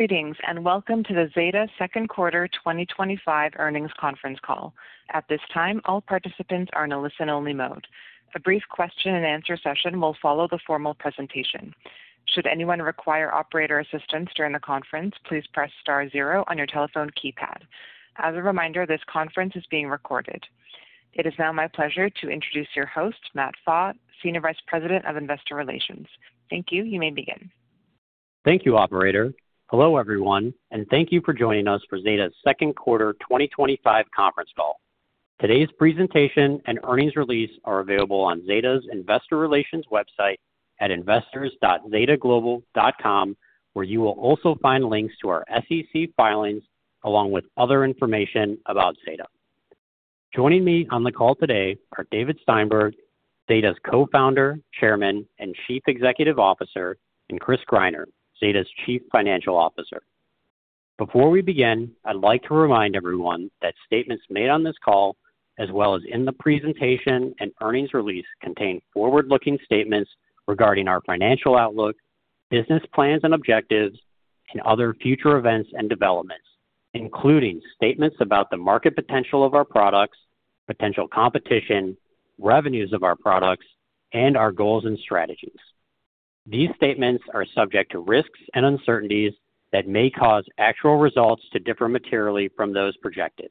Greetings and welcome to the Zeta Global Second Quarter 2025 Earnings Conference Call. At this time, all participants are in a listen-only mode. A brief question and answer session will follow the formal presentation. Should anyone require operator assistance during the conference, please press star zero on your telephone keypad. As a reminder, this conference is being recorded. It is now my pleasure to introduce your host, Matthew Pfau, Senior Vice President of Investor Relations. Thank you. You may begin. Thank you, Operator. Hello everyone, and thank you for joining us for Zeta Global's Second Quarter 2025 Conference Call. Today's presentation and earnings release are available on Zeta Global's Investor Relations website at investors.zetaglobal.com, where you will also find links to our SEC filings along with other information about Zeta Global. Joining me on the call today are David Steinberg, Zeta Global's Co-Founder, Chairman, and Chief Executive Officer, and Chris Greiner, Zeta Global's Chief Financial Officer. Before we begin, I'd like to remind everyone that statements made on this call, as well as in the presentation and earnings release, contain forward-looking statements regarding our financial outlook, business plans and objectives, and other future events and developments, including statements about the market potential of our products, potential competition, revenues of our products, and our goals and strategies. These statements are subject to risks and uncertainties that may cause actual results to differ materially from those projected.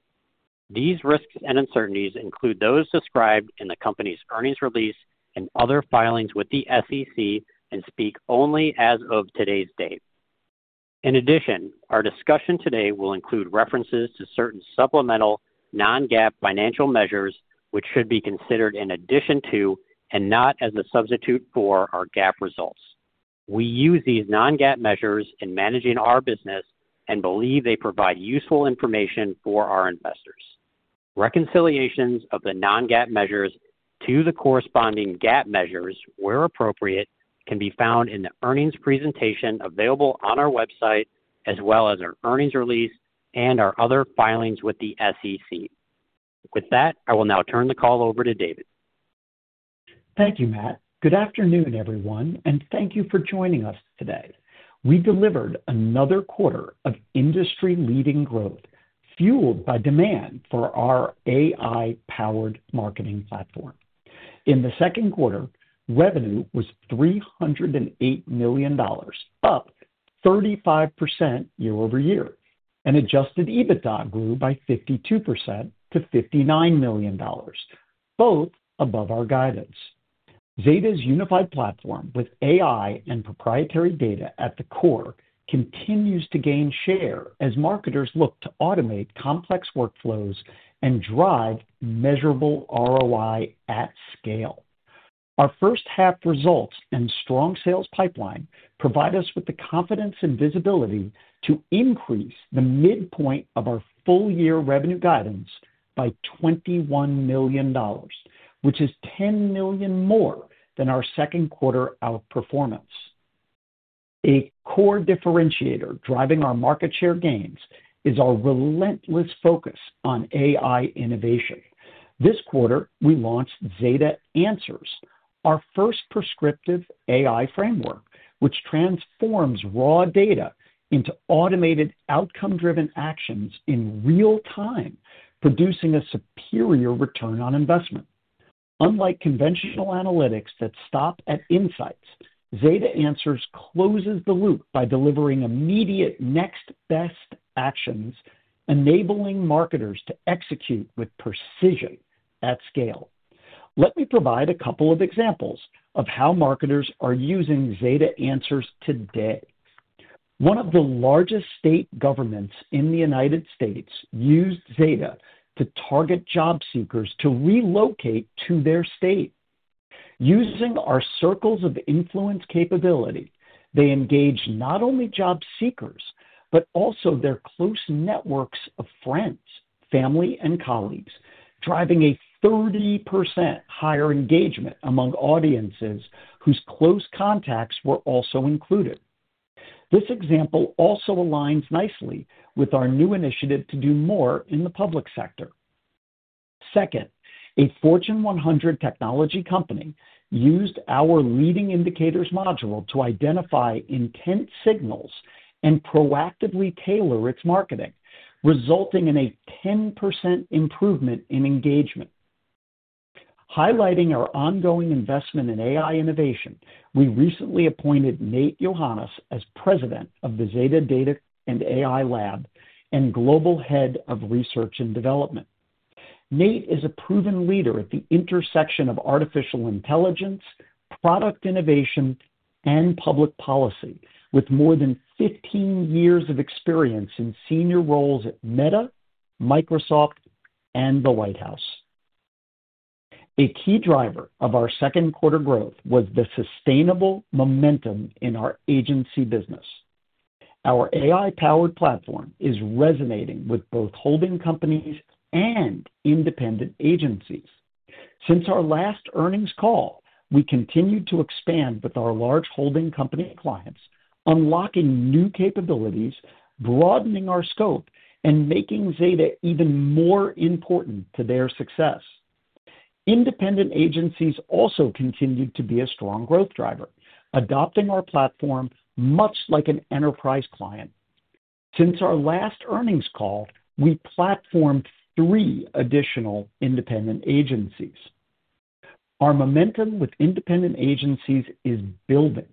These risks and uncertainties include those described in the company's earnings release and other filings with the SEC and speak only as of today's date. In addition, our discussion today will include references to certain supplemental non-GAAP financial measures, which should be considered in addition to and not as a substitute for our GAAP results. We use these non-GAAP measures in managing our business and believe they provide useful information for our investors. Reconciliations of the non-GAAP measures to the corresponding GAAP measures, where appropriate, can be found in the earnings presentation available on our website, as well as our earnings release and our other filings with the SEC. With that, I will now turn the call over to David. Thank you, Matt. Good afternoon, everyone, and thank you for joining us today. We delivered another quarter of industry-leading growth, fueled by demand for our AI-powered marketing platform. In the second quarter, revenue was $308 million, up 35% year-over-year, and adjusted EBITDA grew by 52% to $59 million, both above our guidance. Zeta Global's unified platform with AI and proprietary data at the core continues to gain share as marketers look to automate complex workflows and drive measurable ROI at scale. Our first half results and strong sales pipeline provide us with the confidence and visibility to increase the midpoint of our full-year revenue guidance by $21 million, which is $10 million more than our second quarter outperformance. A core differentiator driving our market share gains is our relentless focus on AI innovation. This quarter, we launched Zeta Answers, our first prescriptive AI framework, which transforms raw data into automated outcome-driven actions in real time, producing a superior return on investment. Unlike conventional analytics that stop at insights, Zeta Answers closes the loop by delivering immediate next-best actions, enabling marketers to execute with precision at scale. Let me provide a couple of examples of how marketers are using Zeta Answers today. One of the largest state governments in the United States used Zeta Global to target job seekers to relocate to their state. Using our circles of influence capability, they engaged not only job seekers but also their close networks of friends, family, and colleagues, driving a 30% higher engagement among audiences whose close contacts were also included. This example also aligns nicely with our new initiative to do more in the public sector. A Fortune 100 technology company used our leading indicators module to identify intense signals and proactively tailor its marketing, resulting in a 10% improvement in engagement. Highlighting our ongoing investment in AI innovation, we recently appointed Nate Yohannes as President of the Zeta Data and AI Lab and Global Head of Research and Development. Nate is a proven leader at the intersection of artificial intelligence, product innovation, and public policy, with more than 15 years of experience in senior roles at Meta, Microsoft, and the White House. A key driver of our second quarter growth was the sustainable momentum in our agency business. Our AI-powered platform is resonating with both holding companies and independent agencies. Since our last earnings call, we continued to expand with our large holding company clients, unlocking new capabilities, broadening our scope, and making Zeta even more important to their success. Independent agencies also continued to be a strong growth driver, adopting our platform much like an enterprise client. Since our last earnings call, we platformed three additional independent agencies. Our momentum with independent agencies is building,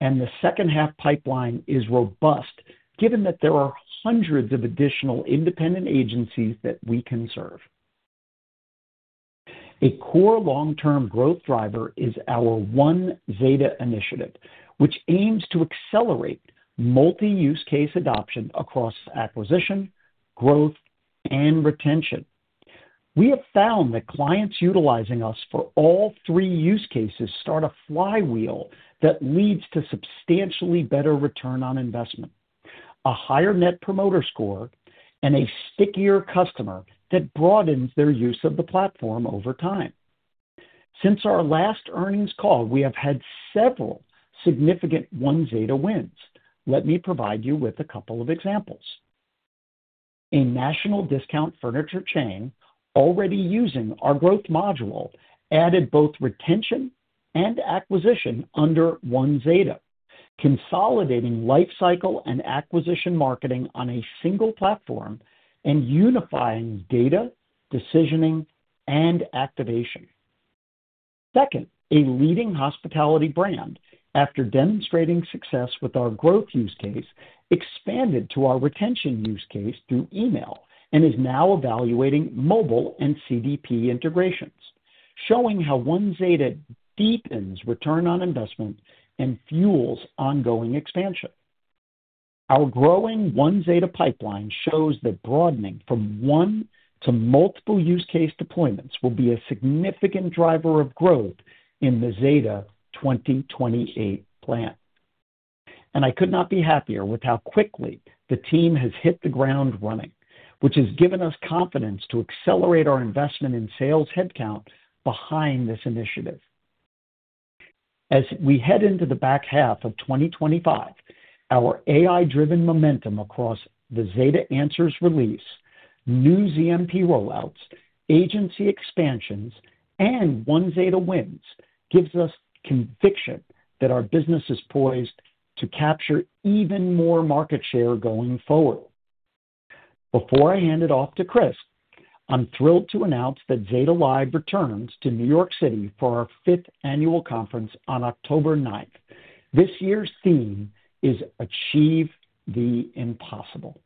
and the second half pipeline is robust, given that there are hundreds of additional independent agencies that we can serve. A core long-term growth driver is our One Zeta initiative, which aims to accelerate multi-use case adoption across acquisition, growth, and retention. We have found that clients utilizing us for all three use cases start a flywheel that leads to substantially better ROI, a higher net promoter score, and a stickier customer that broadens their use of the platform over time. Since our last earnings call, we have had several significant One Zeta wins. Let me provide you with a couple of examples. A national discount furniture chain already using our growth module added both retention and acquisition under One Zeta, consolidating lifecycle and acquisition marketing on a single platform and unifying data, decisioning, and activation. Second, a leading hospitality brand, after demonstrating success with our growth use case, expanded to our retention use case through email and is now evaluating mobile and CDP integrations, showing how One Zeta deepens ROI and fuels ongoing expansion. Our growing One Zeta pipeline shows that broadening from one to multiple use case deployments will be a significant driver of growth in the Zeta 2028 plan. I could not be happier with how quickly the team has hit the ground running, which has given us confidence to accelerate our investment in sales headcount behind this initiative. As we head into the back half of 2025, our AI-driven momentum across the Zeta Answers release, new Zeta Marketing Platform rollouts, agency expansions, and One Zeta wins gives us conviction that our business is poised to capture even more market share going forward. Before I hand it off to Chris, I'm thrilled to announce that Zeta Live returns to New York City for our fifth annual conference on October 9th. This year's theme is "Achieve the Impossible."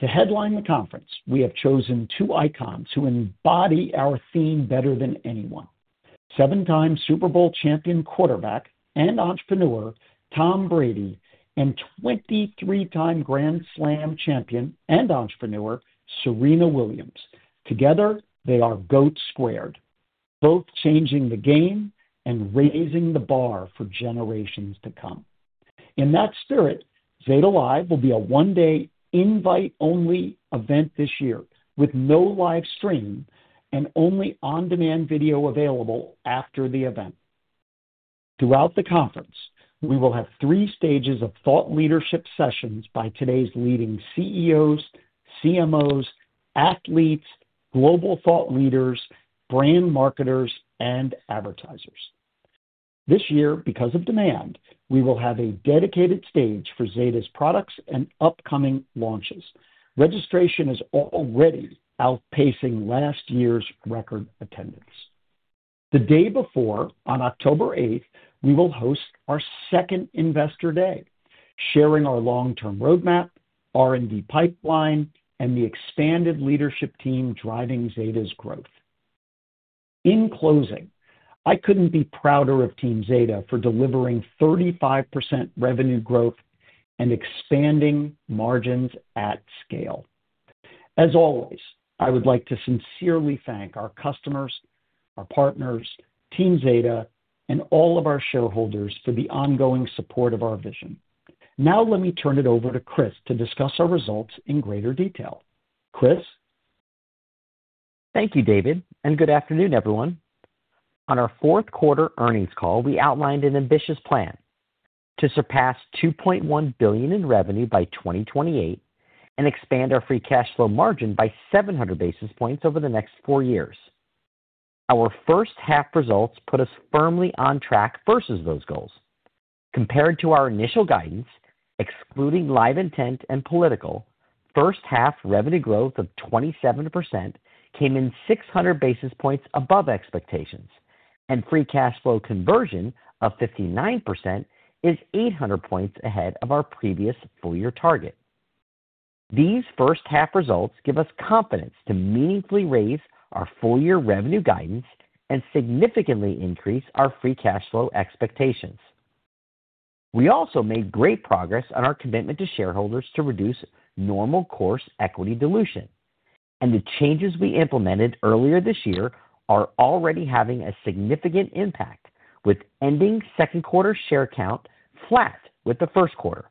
To headline the conference, we have chosen two icons who embody our theme better than anyone: seven-time Super Bowl champion quarterback and entrepreneur Tom Brady and 23-time Grand Slam champion and entrepreneur Serena Williams. Together, they are GOAT-squared, both changing the game and raising the bar for generations to come. In that spirit, Zeta Live will be a one-day invite-only event this year, with no live stream and only on-demand video available after the event. Throughout the conference, we will have three stages of thought leadership sessions by today's leading CEOs, CMOs, athletes, global thought leaders, brand marketers, and advertisers. This year, because of demand, we will have a dedicated stage for Zeta's products and upcoming launches. Registration is already outpacing last year's record attendance. The day before, on October 8th, we will host our second Investor Day, sharing our long-term roadmap, R&D pipeline, and the expanded leadership team driving Zeta's growth. In closing, I couldn't be prouder of Team Zeta for delivering 35% revenue growth and expanding margins at scale. As always, I would like to sincerely thank our customers, our partners, Team Zeta, and all of our shareholders for the ongoing support of our vision. Now, let me turn it over to Chris to discuss our results in greater detail. Chris? Thank you, David, and good afternoon, everyone. On our fourth quarter earnings call, we outlined an ambitious plan: to surpass $2.1 billion in revenue by 2028 and expand our free cash flow margin by 700 basis points over the next four years. Our first half results put us firmly on track versus those goals. Compared to our initial guidance, excluding LiveIntent and political, first half revenue growth of 27% came in 600 basis points above expectations, and free cash flow conversion of 59% is 800 basis points ahead of our previous full-year target. These first half results give us confidence to meaningfully raise our full-year revenue guidance and significantly increase our free cash flow expectations. We also made great progress on our commitment to shareholders to reduce normal course equity dilution, and the changes we implemented earlier this year are already having a significant impact, with ending second quarter share count flat with the first quarter.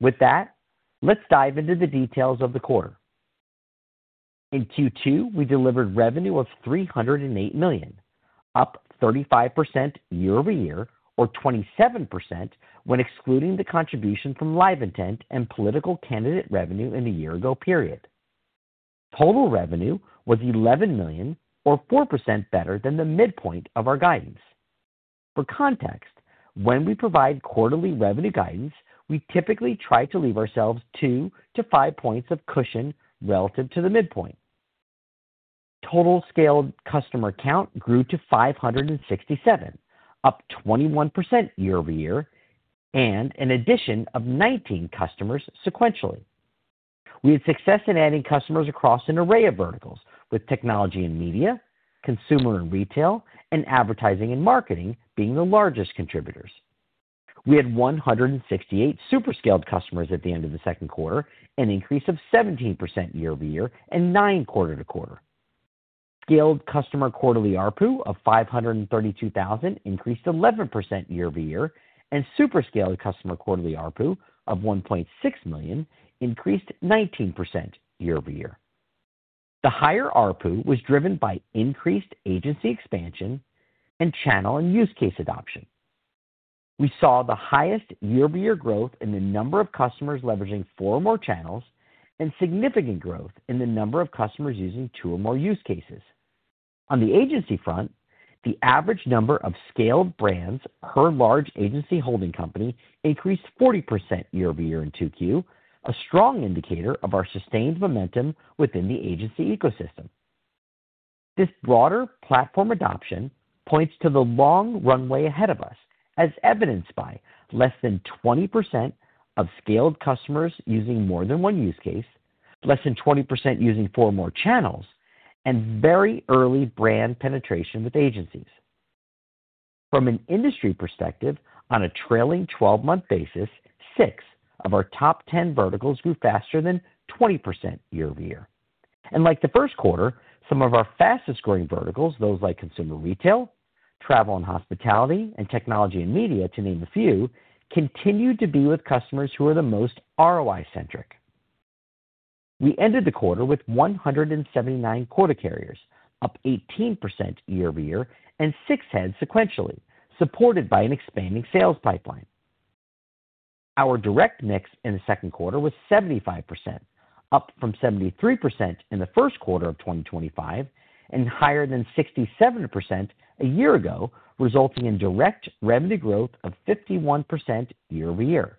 With that, let's dive into the details of the quarter. In Q2, we delivered revenue of $308 million, up 35% year-over-year, or 27% when excluding the contribution from LiveIntent and political candidate revenue in the year-ago period. Total revenue was $11 million, or 4% better than the midpoint of our guidance. For context, when we provide quarterly revenue guidance, we typically try to leave ourselves two to five points of cushion relative to the midpoint. Total scaled customer count grew to 567, up 21% year-over-year, and an addition of 19 customers sequentially. We had success in adding customers across an array of verticals, with technology and media, consumer and retail, and advertising and marketing being the largest contributors. We had 168 superscaled customers at the end of the second quarter, an increase of 17% year-over-year and 9 quarter-to-quarter. Scaled customer quarterly ARPU of $532,000 increased 11% year-over-year, and superscaled customer quarterly ARPU of $1.6 million increased 19% year-over-year. The higher ARPU was driven by increased agency expansion and channel and use case adoption. We saw the highest year-over-year growth in the number of customers leveraging four or more channels and significant growth in the number of customers using two or more use cases. On the agency front, the average number of scaled brands per large agency holding company increased 40% year-over-year in Q2, a strong indicator of our sustained momentum within the agency ecosystem. This broader platform adoption points to the long runway ahead of us, as evidenced by less than 20% of scaled customers using more than one use case, less than 20% using four or more channels, and very early brand penetration with agencies. From an industry perspective, on a trailing 12-month basis, six of our top 10 verticals grew faster than 20% year-over-year. Like the first quarter, some of our fastest growing verticals, those like consumer retail, travel and hospitality, and technology and media, to name a few, continue to be with customers who are the most ROI-centric. We ended the quarter with 179 quota carriers, up 18% year-over-year and six heads sequentially, supported by an expanding sales pipeline. Our direct mix in the second quarter was 75%, up from 73% in the first quarter of 2025 and higher than 67% a year ago, resulting in direct revenue growth of 51% year-over-year.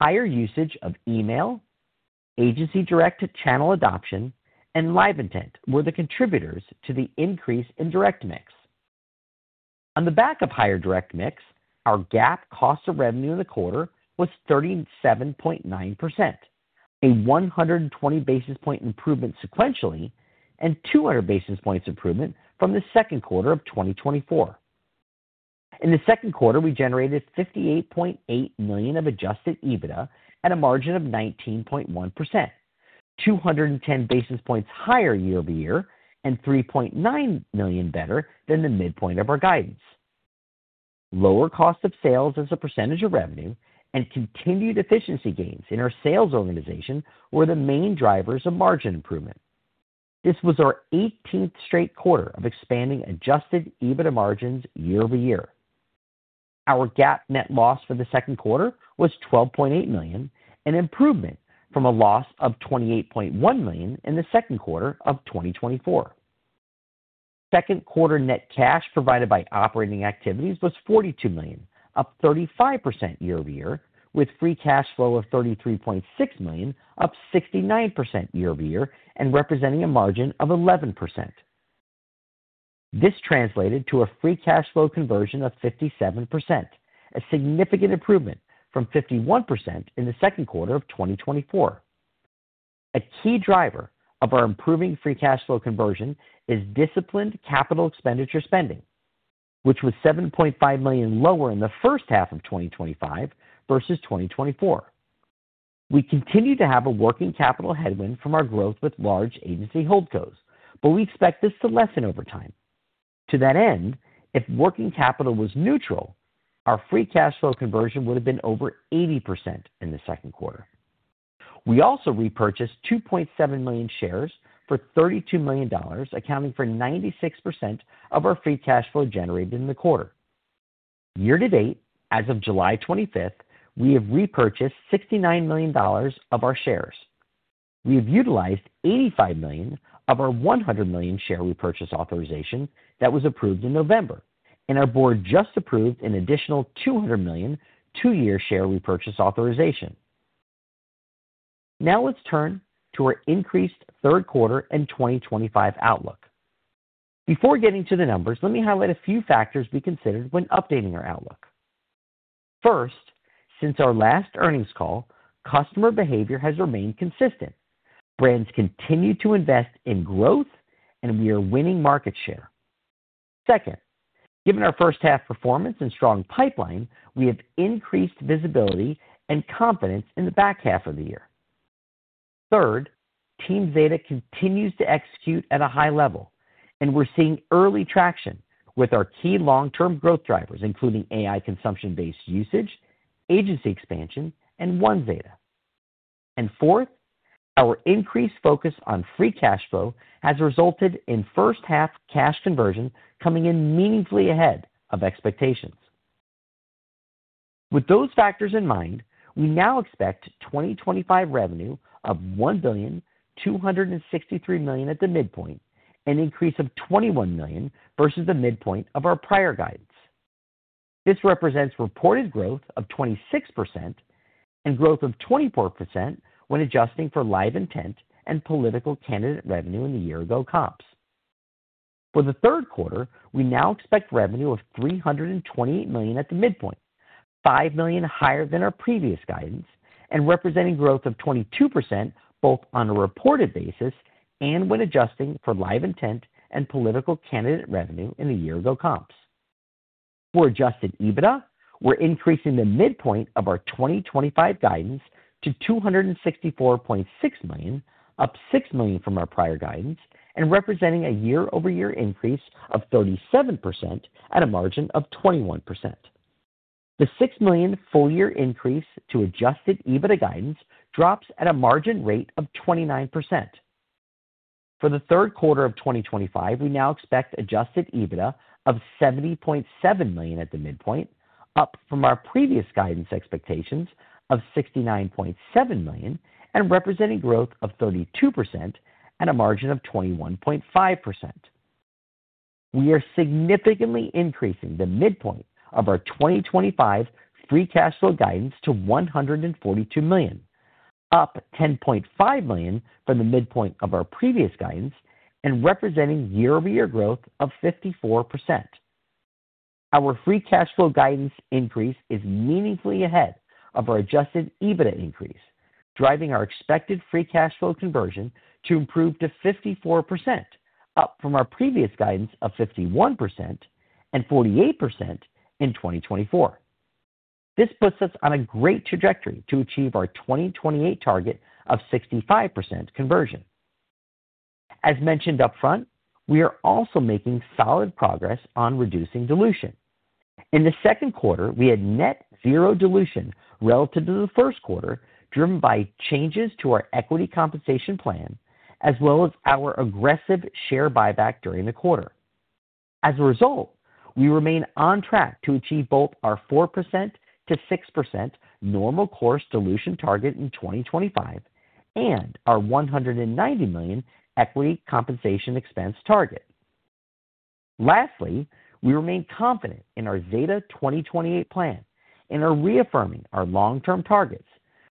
Higher usage of email, agency direct channel adoption, and live intent were the contributors to the increase in direct mix. On the back of higher direct mix, our GAAP cost of revenue in the quarter was 37.9%, a 120 basis point improvement sequentially, and 200 basis points improvement from the second quarter of 2024. In the second quarter, we generated $58.8 million of adjusted EBITDA at a margin of 19.1%, 210 basis points higher year-over-year and $3.9 million better than the midpoint of our guidance. Lower cost of sales as a percentage of revenue and continued efficiency gains in our sales organization were the main drivers of margin improvement. This was our 18th straight quarter of expanding adjusted EBITDA margins year-over-year. Our GAAP net loss for the second quarter was $12.8 million, an improvement from a loss of $28.1 million in the second quarter of 2024. Second quarter net cash provided by operating activities was $42 million, up 35% year-over-year, with free cash flow of $33.6 million, up 69% year-over-year and representing a margin of 11%. This translated to a free cash flow conversion of 57%, a significant improvement from 51% in the second quarter of 2024. A key driver of our improving free cash flow conversion is disciplined capital expenditure spending, which was $7.5 million lower in the first half of 2025 versus 2024. We continue to have a working capital headwind from our growth with large agency hold goes, but we expect this to lessen over time. To that end, if working capital was neutral, our free cash flow conversion would have been over 80% in the second quarter. We also repurchased 2.7 million shares for $32 million, accounting for 96% of our free cash flow generated in the quarter. Year to date, as of July 25, we have repurchased $69 million of our shares. We have utilized $85 million of our $100 million share repurchase authorization that was approved in November, and our board just approved an additional $200 million two-year share repurchase authorization. Now let's turn to our increased third quarter and 2025 outlook. Before getting to the numbers, let me highlight a few factors we considered when updating our outlook. First, since our last earnings call, customer behavior has remained consistent. Brands continue to invest in growth, and we are winning market share. Second, given our first half performance and strong pipeline, we have increased visibility and confidence in the back half of the year. Third, Team Zeta continues to execute at a high level, and we're seeing early traction with our key long-term growth drivers, including AI consumption-based usage, agency expansion, and One Zeta. Fourth, our increased focus on free cash flow has resulted in first half cash conversion coming in meaningfully ahead of expectations. With those factors in mind, we now expect 2025 revenue of $1,263 million at the midpoint, an increase of $21 million versus the midpoint of our prior guidance. This represents reported growth of 26% and growth of 24% when adjusting for LiveIntent and political candidate revenue in the year-ago comps. For the third quarter, we now expect revenue of $328 million at the midpoint, $5 million higher than our previous guidance, and representing growth of 22% both on a reported basis and when adjusting for LiveIntent and political candidate revenue in the year-ago comps. For adjusted EBITDA, we're increasing the midpoint of our 2025 guidance to $264.6 million, up $6 million from our prior guidance, and representing a year-over-year increase of 37% at a margin of 21%. The $6 million full-year increase to adjusted EBITDA guidance drops at a margin rate of 29%. For the third quarter of 2025, we now expect adjusted EBITDA of $70.7 million at the midpoint, up from our previous guidance expectations of $69.7 million, and representing growth of 32% at a margin of 21.5%. We are significantly increasing the midpoint of our 2025 free cash flow guidance to $142 million, up $10.5 million from the midpoint of our previous guidance, and representing year-over-year growth of 54%. Our free cash flow guidance increase is meaningfully ahead of our adjusted EBITDA increase, driving our expected free cash flow conversion to improve to 54%, up from our previous guidance of 51% and 48% in 2024. This puts us on a great trajectory to achieve our 2028 target of 65% conversion. As mentioned upfront, we are also making solid progress on reducing dilution. In the second quarter, we had net zero dilution relative to the first quarter, driven by changes to our equity compensation plan, as well as our aggressive share buyback during the quarter. As a result, we remain on track to achieve both our 4%-6% normal course dilution target in 2025 and our $190 million equity compensation expense target. Lastly, we remain confident in our Zeta 2028 plan and are reaffirming our long-term targets,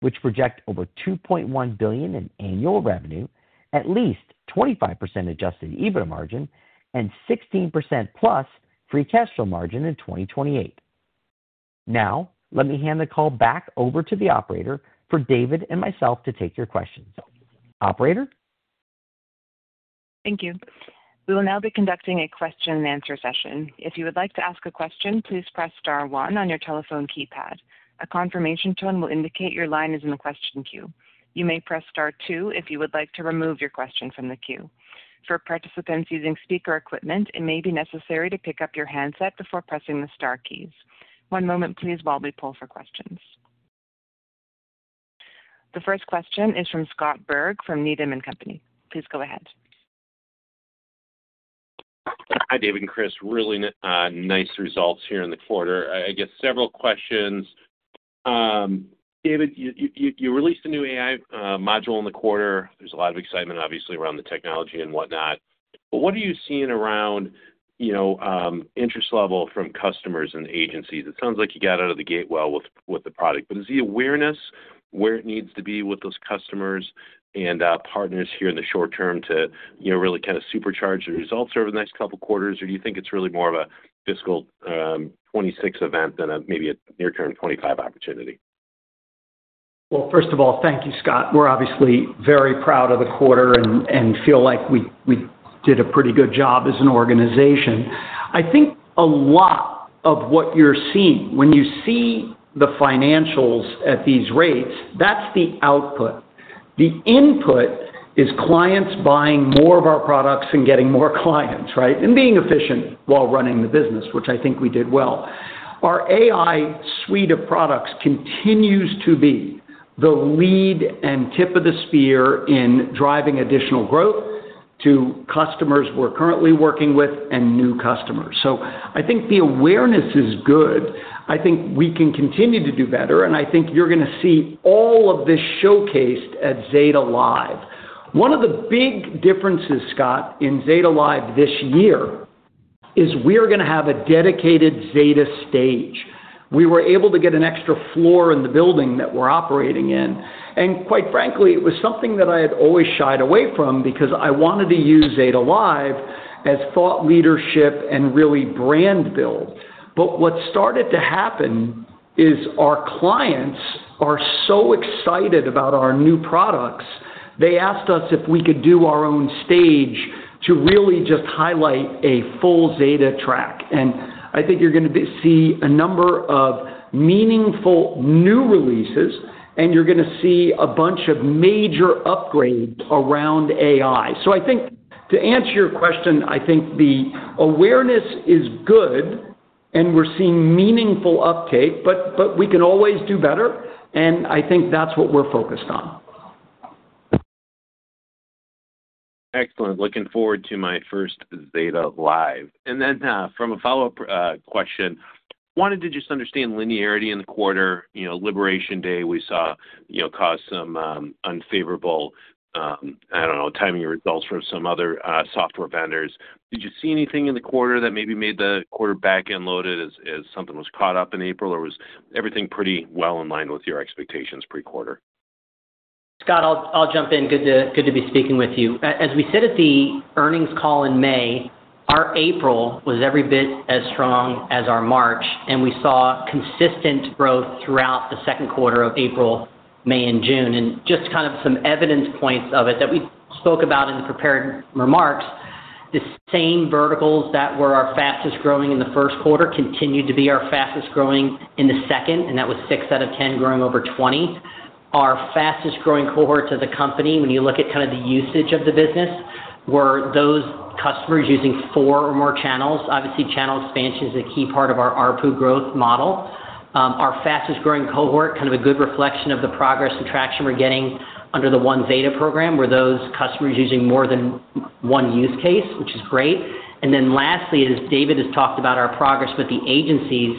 which project over $2.1 billion in annual revenue, at least 25% adjusted EBITDA margin, and 16% plus free cash flow margin in 2028. Now, let me hand the call back over to the Operator for David and myself to take your questions. Operator? Thank you. We will now be conducting a question and answer session. If you would like to ask a question, please press star one on your telephone keypad. A confirmation tone will indicate your line is in the question queue. You may press star two if you would like to remove your question from the queue. For participants using speaker equipment, it may be necessary to pick up your handset before pressing the star keys. One moment, please, while we pull for questions. The first question is from Scott Berg from Needham and Company. Please go ahead. Hi, David and Chris. Really nice results here in the quarter. I get several questions. David, you released a new AI module in the quarter. There's a lot of excitement, obviously, around the technology and whatnot. What are you seeing around, you know, interest level from customers and agencies? It sounds like you got out of the gate well with the product. Is the awareness where it needs to be with those customers and partners here in the short term to, you know, really kind of supercharge the results over the next couple of quarters? Do you think it's really more of a fiscal 2026 event than maybe a near-term 2025 opportunity? Thank you, Scott. We're obviously very proud of the quarter and feel like we did a pretty good job as an organization. I think a lot of what you're seeing when you see the financials at these rates, that's the output. The input is clients buying more of our products and getting more clients, right? Being efficient while running the business, which I think we did well. Our AI suite of products continues to be the lead and tip of the spear in driving additional growth to customers we're currently working with and new customers. I think the awareness is good. I think we can continue to do better. I think you're going to see all of this showcased at Zeta Live. One of the big differences, Scott, in Zeta Live this year is we're going to have a dedicated Zeta stage. We were able to get an extra floor in the building that we're operating in. Quite frankly, it was something that I had always shied away from because I wanted to use Zeta Live as thought leadership and really brand build. What started to happen is our clients are so excited about our new products, they asked us if we could do our own stage to really just highlight a full Zeta track. I think you're going to see a number of meaningful new releases, and you're going to see a bunch of major upgrades around AI. I think to answer your question, I think the awareness is good, and we're seeing meaningful uptake, but we can always do better. I think that's what we're focused on. Excellent. Looking forward to my first Zeta Live. From a follow-up question, I wanted to just understand linearity in the quarter. Liberation Day, we saw, caused some unfavorable timing results from some other software vendors. Did you see anything in the quarter that maybe made the quarter back-end loaded as something was caught up in April, or was everything pretty well in line with your expectations pre-quarter? Scott, I'll jump in. Good to be speaking with you. As we sit at the earnings call in May, our April was every bit as strong as our March, and we saw consistent growth throughout the second quarter of April, May, and June. Just kind of some evidence points of it that we spoke about in the prepared remarks, the same verticals that were our fastest growing in the first quarter continue to be our fastest growing in the second, and that was 6/10 growing over 20%. Our fastest growing cohorts of the company, when you look at kind of the usage of the business, were those customers using four or more channels. Obviously, channel expansion is a key part of our ARPU growth model. Our fastest growing cohort, kind of a good reflection of the progress and traction we're getting under the One Zeta program, were those customers using more than one use case, which is great. Lastly, as David Steinberg has talked about our progress with the agencies,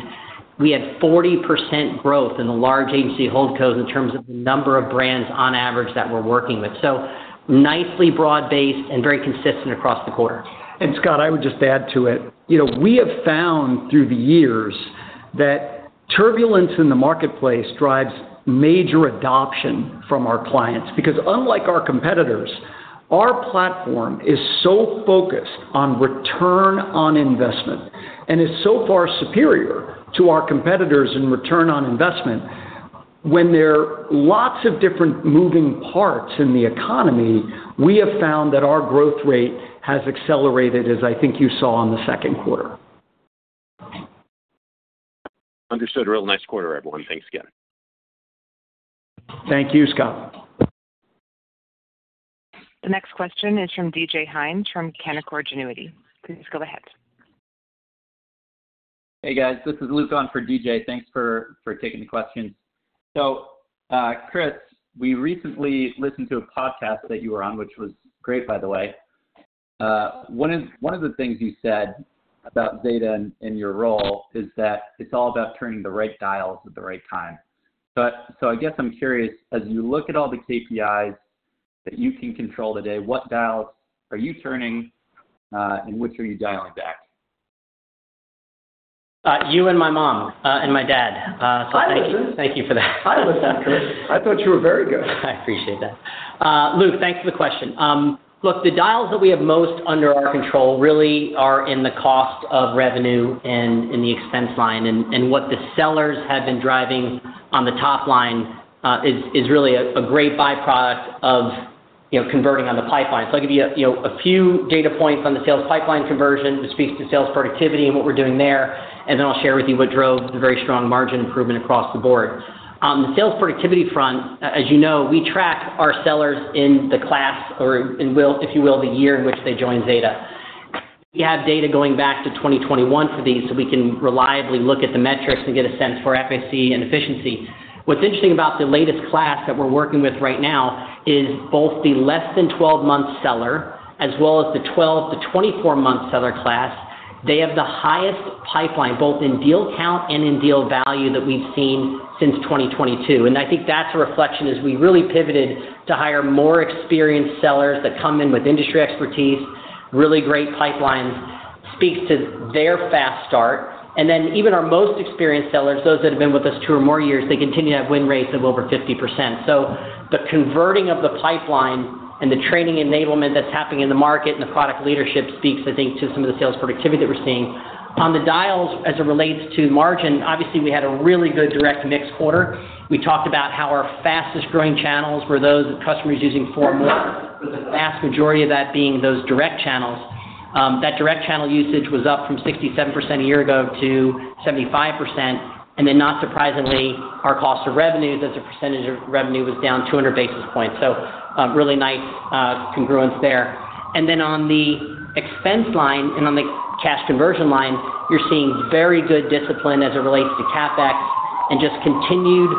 we had 40% growth in the large agency hold codes in terms of the number of brands on average that we're working with. Nicely broad-based and very consistent across the quarter. Scott, I would just add to it, you know, we have found through the years that turbulence in the marketplace drives major adoption from our clients because unlike our competitors, our platform is so focused on ROI and is so far superior to our competitors in ROI. When there are lots of different moving parts in the economy, we have found that our growth rate has accelerated, as I think you saw in the second quarter. Understood. Real nice quarter, everyone. Thanks again. Thank you, Scott. The next question is from DJ Hines from Canaccord Genuity. Please go ahead. Hey guys, this is Luke on for DJ. Thanks for taking the question. Chris, we recently listened to a podcast that you were on, which was great, by the way. One of the things you said about Zeta Global and your role is that it's all about turning the right dials at the right time. I guess I'm curious, as you look at all the KPIs that you can control today, what dials are you turning, and which are you dialing back? You, my mom, and my dad. Thank you for that. I thought you were very good. I appreciate that. Luke, thanks for the question. The dials that we have most under our control really are in the cost of revenue and in the expense line. What the sellers have been driving on the top line is really a great byproduct of converting on the pipeline. I'll give you a few data points on the sales pipeline conversion, which speaks to sales productivity and what we're doing there. Then I'll share with you what drove the very strong margin improvement across the board. On the sales productivity front, as you know, we track our sellers in the class, or in, if you will, the year in which they joined Zeta Global. We have data going back to 2021 for these so we can reliably look at the metrics and get a sense for efficacy and efficiency. What's interesting about the latest class that we're working with right now is both the less than 12 months seller, as well as the 12 to 24 months seller class. They have the highest pipeline both in deal count and in deal value that we've seen since 2022. I think that's a reflection as we really pivoted to hire more experienced sellers that come in with industry expertise, really great pipelines, speaks to their fast start. Even our most experienced sellers, those that have been with us two or more years, continue to have win rates of over 50%. The converting of the pipeline and the training enablement that's happening in the market and the product leadership speaks, I think, to some of the sales productivity that we're seeing. On the dials, as it relates to margin, obviously we had a really good direct mix quarter. We talked about how our fastest growing channels were those that customers are using for a vast majority of that being those direct channels. That direct channel usage was up from 67% a year ago to 75%. Not surprisingly, our cost of revenue, as a percentage of revenue, was down 200 basis points. Really nice congruence there. On the expense line and on the cash conversion line, you're seeing very good discipline as it relates to CapEx and just continued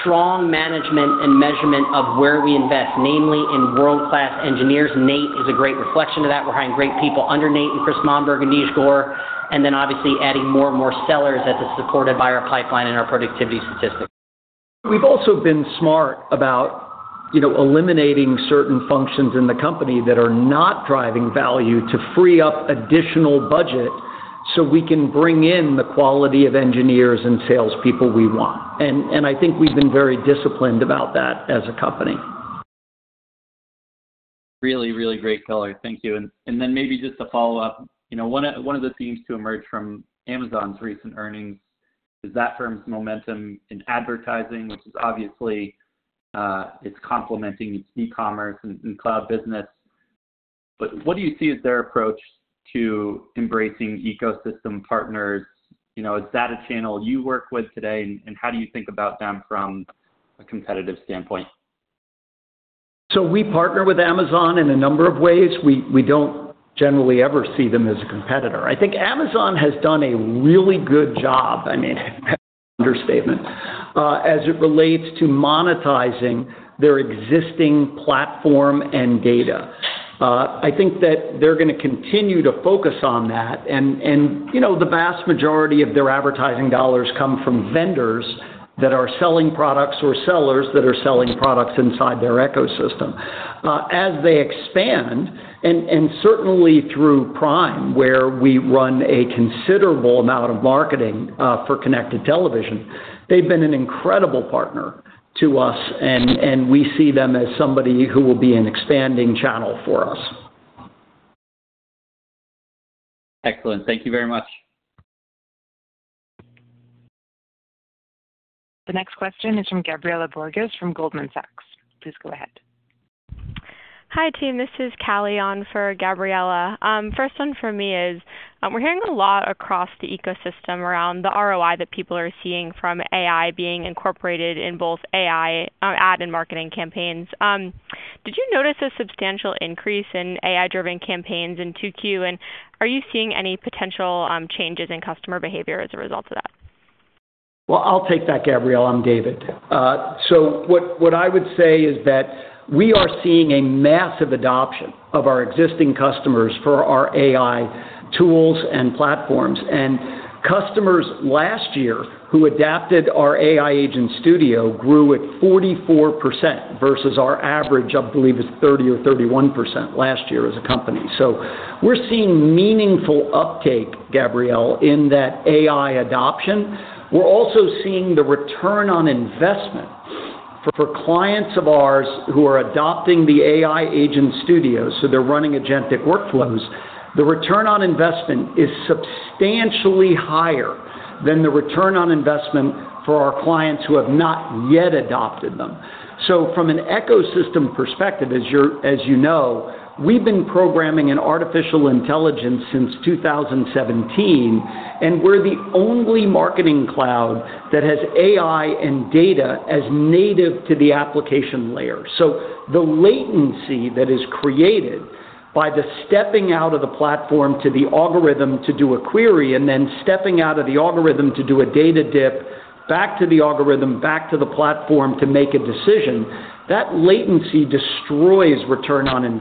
strong management and measurement of where we invest, namely in world-class engineers. Nate is a great reflection of that. We're hiring great people under Nate Yohannes and Christian Monberg and Neej Gore, and obviously adding more and more sellers that are supported by our pipeline and our productivity statistics. We've also been smart about eliminating certain functions in the company that are not driving value to free up additional budget so we can bring in the quality of engineers and salespeople we want. I think we've been very disciplined about that as a company. Really, really great color. Thank you. Maybe just to follow up, you know, one of the themes to emerge from Amazon's recent earnings is that firm's momentum in advertising, which is obviously, it's complementing its e-commerce and cloud business. What do you see as their approach to embracing ecosystem partners? You know, is that a channel you work with today? How do you think about them from a competitive standpoint? We partner with Amazon in a number of ways. We don't generally ever see them as a competitor. I think Amazon has done a really good job, I mean, understatement, as it relates to monetizing their existing platform and data. I think that they're going to continue to focus on that. The vast majority of their advertising dollars come from vendors that are selling products or sellers that are selling products inside their ecosystem. As they expand, and certainly through Prime, where we run a considerable amount of marketing for connected television, they've been an incredible partner to us, and we see them as somebody who will be an expanding channel for us. Excellent. Thank you very much. The next question is from Gabriela Borges from Goldman Sachs. Please go ahead. Hi, team. This is Callie on for Gabriela. First one for me is we're hearing a lot across the ecosystem around the ROI that people are seeing from AI being incorporated in both AI ad and marketing campaigns. Did you notice a substantial increase in AI-driven campaigns in 2Q, and are you seeing any potential changes in customer behavior as a result of that? I'll take that, Gabriela. I'm David. What I would say is that we are seeing a massive adoption of our existing customers for our AI tools and platforms. Customers last year who adopted our AI Agent Studio grew at 44% versus our average, I believe, is 30% or 31% last year as a company. We are seeing meaningful uptake, Gabriela, in that AI adoption. We are also seeing the ROI for clients of ours who are adopting the AI Agent Studio, so they're running agentic workflows. The ROI is substantially higher than the ROI for our clients who have not yet adopted them. From an ecosystem perspective, as you know, we've been programming in artificial intelligence since 2017, and we're the only marketing cloud that has AI and data as native to the application layer. The latency that is created by the stepping out of the platform to the algorithm to do a query and then stepping out of the algorithm to do a data dip back to the algorithm, back to the platform to make a decision, that latency destroys ROI.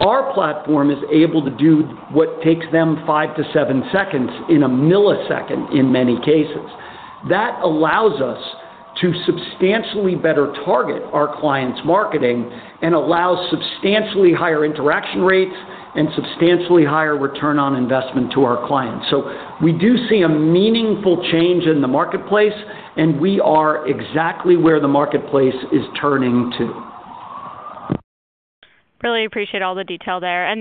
Our platform is able to do what takes them five to seven seconds in a millisecond in many cases. That allows us to substantially better target our clients' marketing and allows substantially higher interaction rates and substantially higher ROI to our clients. We do see a meaningful change in the marketplace, and we are exactly where the marketplace is turning to. Really appreciate all the detail there. I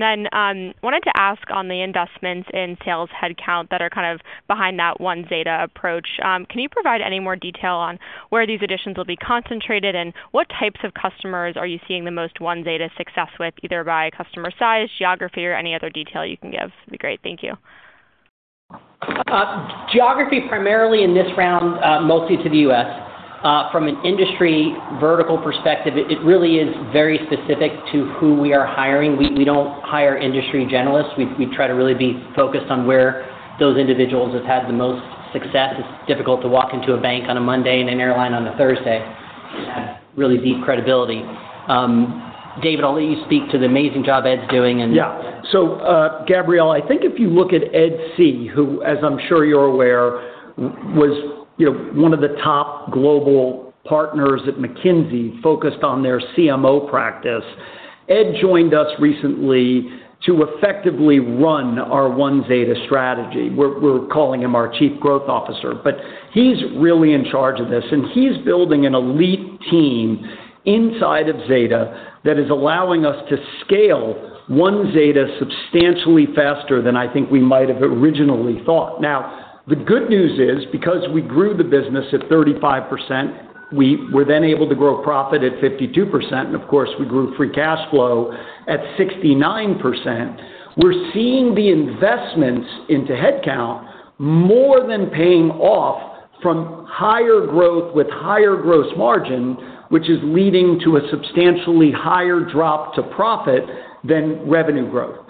wanted to ask on the investments in sales headcount that are kind of behind that One Zeta approach. Can you provide any more detail on where these additions will be concentrated and what types of customers are you seeing the most One Zeta success with, either by customer size, geography, or any other detail you can give? It'd be great. Thank you. Geography, primarily in this round, mostly to the U.S. From an industry vertical perspective, it really is very specific to who we are hiring. We don't hire industry generalists. We try to really be focused on where those individuals have had the most success. It's difficult to walk into a bank on a Monday and an airline on a Thursday. You have really deep credibility. David, I'll let you speak to the amazing job Ed's doing. Yeah. Gabriela, I think if you look at Ed C., who, as I'm sure you're aware, was one of the top global partners at McKinsey focused on their CMO practice. Ed joined us recently to effectively run our One Zeta strategy. We're calling him our Chief Growth Officer. He's really in charge of this, and he's building an elite team inside of Zeta that is allowing us to scale One Zeta substantially faster than I think we might have originally thought. The good news is because we grew the business at 35%, we were then able to grow profit at 52%, and of course, we grew free cash flow at 69%. We're seeing the investments into headcount more than paying off from higher growth with higher gross margin, which is leading to a substantially higher drop to profit than revenue growth.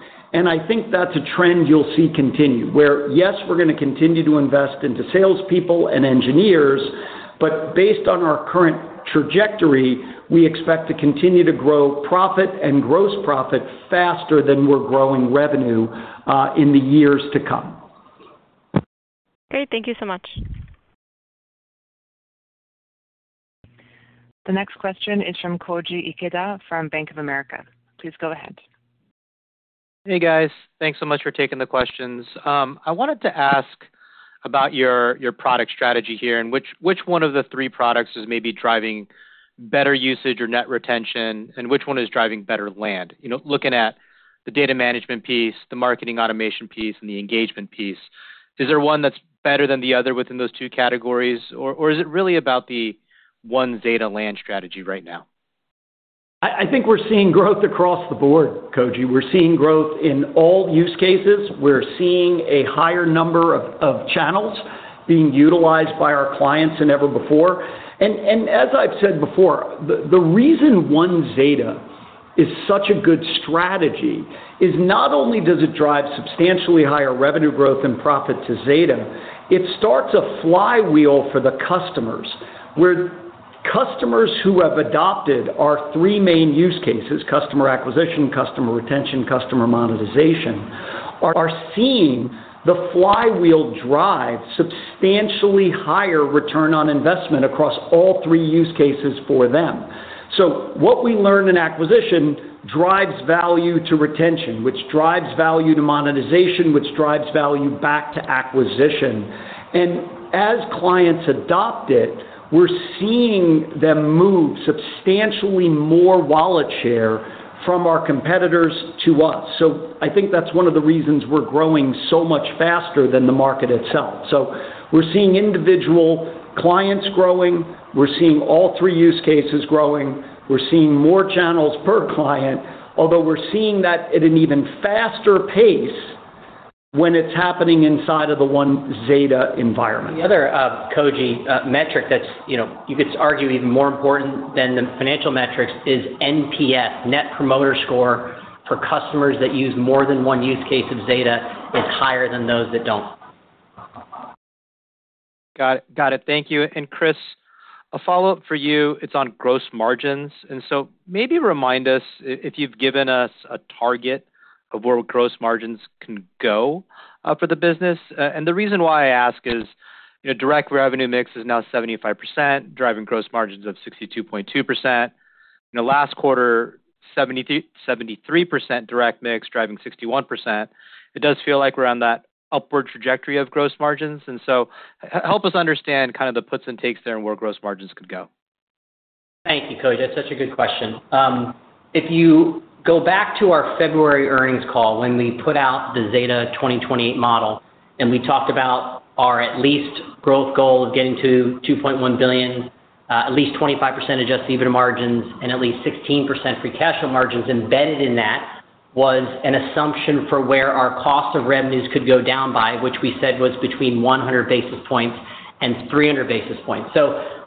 I think that's a trend you'll see continue, where yes, we're going to continue to invest into salespeople and engineers, but based on our current trajectory, we expect to continue to grow profit and gross profit faster than we're growing revenue in the years to come. Great. Thank you so much. The next question is from Koji Ikeda from Bank of America. Please go ahead. Hey guys, thanks so much for taking the questions. I wanted to ask about your product strategy here and which one of the three products is maybe driving better usage or net retention and which one is driving better land. You know, looking at the data management piece, the marketing automation piece, and the engagement piece, is there one that's better than the other within those two categories, or is it really about the One Zeta land strategy right now? I think we're seeing growth across the board, Koji. We're seeing growth in all use cases. We're seeing a higher number of channels being utilized by our clients than ever before. As I've said before, the reason One Zeta is such a good strategy is not only does it drive substantially higher revenue growth and profit to Zeta Global, it starts a flywheel for the customers where customers who have adopted our three main use cases, customer acquisition, customer retention, customer monetization, are seeing the flywheel drive substantially higher ROI across all three use cases for them. What we learn in acquisition drives value to retention, which drives value to monetization, which drives value back to acquisition. As clients adopt it, we're seeing them move substantially more wallet share from our competitors to us. I think that's one of the reasons we're growing so much faster than the market itself. We're seeing individual clients growing. We're seeing all three use cases growing. We're seeing more channels per client, although we're seeing that at an even faster pace when it's happening inside of the One Zeta environment. The other Koji metric that's, you know, you could argue even more important than the financial metrics is Net Promoter Score for customers that use more than one use case of Zeta. It's higher than those that don't. Got it. Thank you. Chris, a follow-up for you. It's on gross margins. Maybe remind us if you've given us a target of where gross margins can go for the business. The reason why I ask is, you know, direct revenue mix is now 75%, driving gross margins of 62.2%. In the last quarter, 73% direct mix, driving 61%. It does feel like we're on that upward trajectory of gross margins. Help us understand kind of the puts and takes there and where gross margins could go. Thank you, Koji. That's such a good question. If you go back to our February earnings call when we put out the Zeta 2028 model and we talked about our at least growth goal of getting to $2.1 billion, at least 25% adjusted EBITDA margins, and at least 16% free cash flow margins, embedded in that was an assumption for where our cost of revenues could go down by, which we said was between 100 basis points and 300 basis points.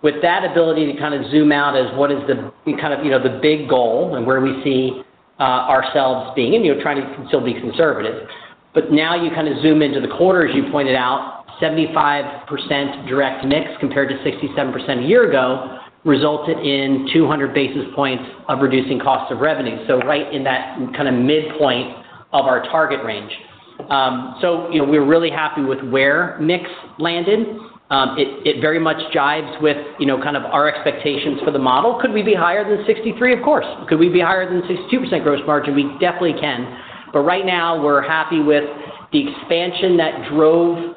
With that ability to kind of zoom out as what is the kind of, you know, the big goal and where we see ourselves being, and you know, trying to still be conservative. Now you kind of zoom into the quarters, you pointed out 75% direct mix compared to 67% a year ago resulted in 200 basis points of reducing cost of revenue, right in that kind of midpoint of our target range. We're really happy with where mix landed. It very much jibes with, you know, kind of our expectations for the model. Could we be higher than 63%? Of course. Could we be higher than 62% gross margin? We definitely can. Right now we're happy with the expansion that drove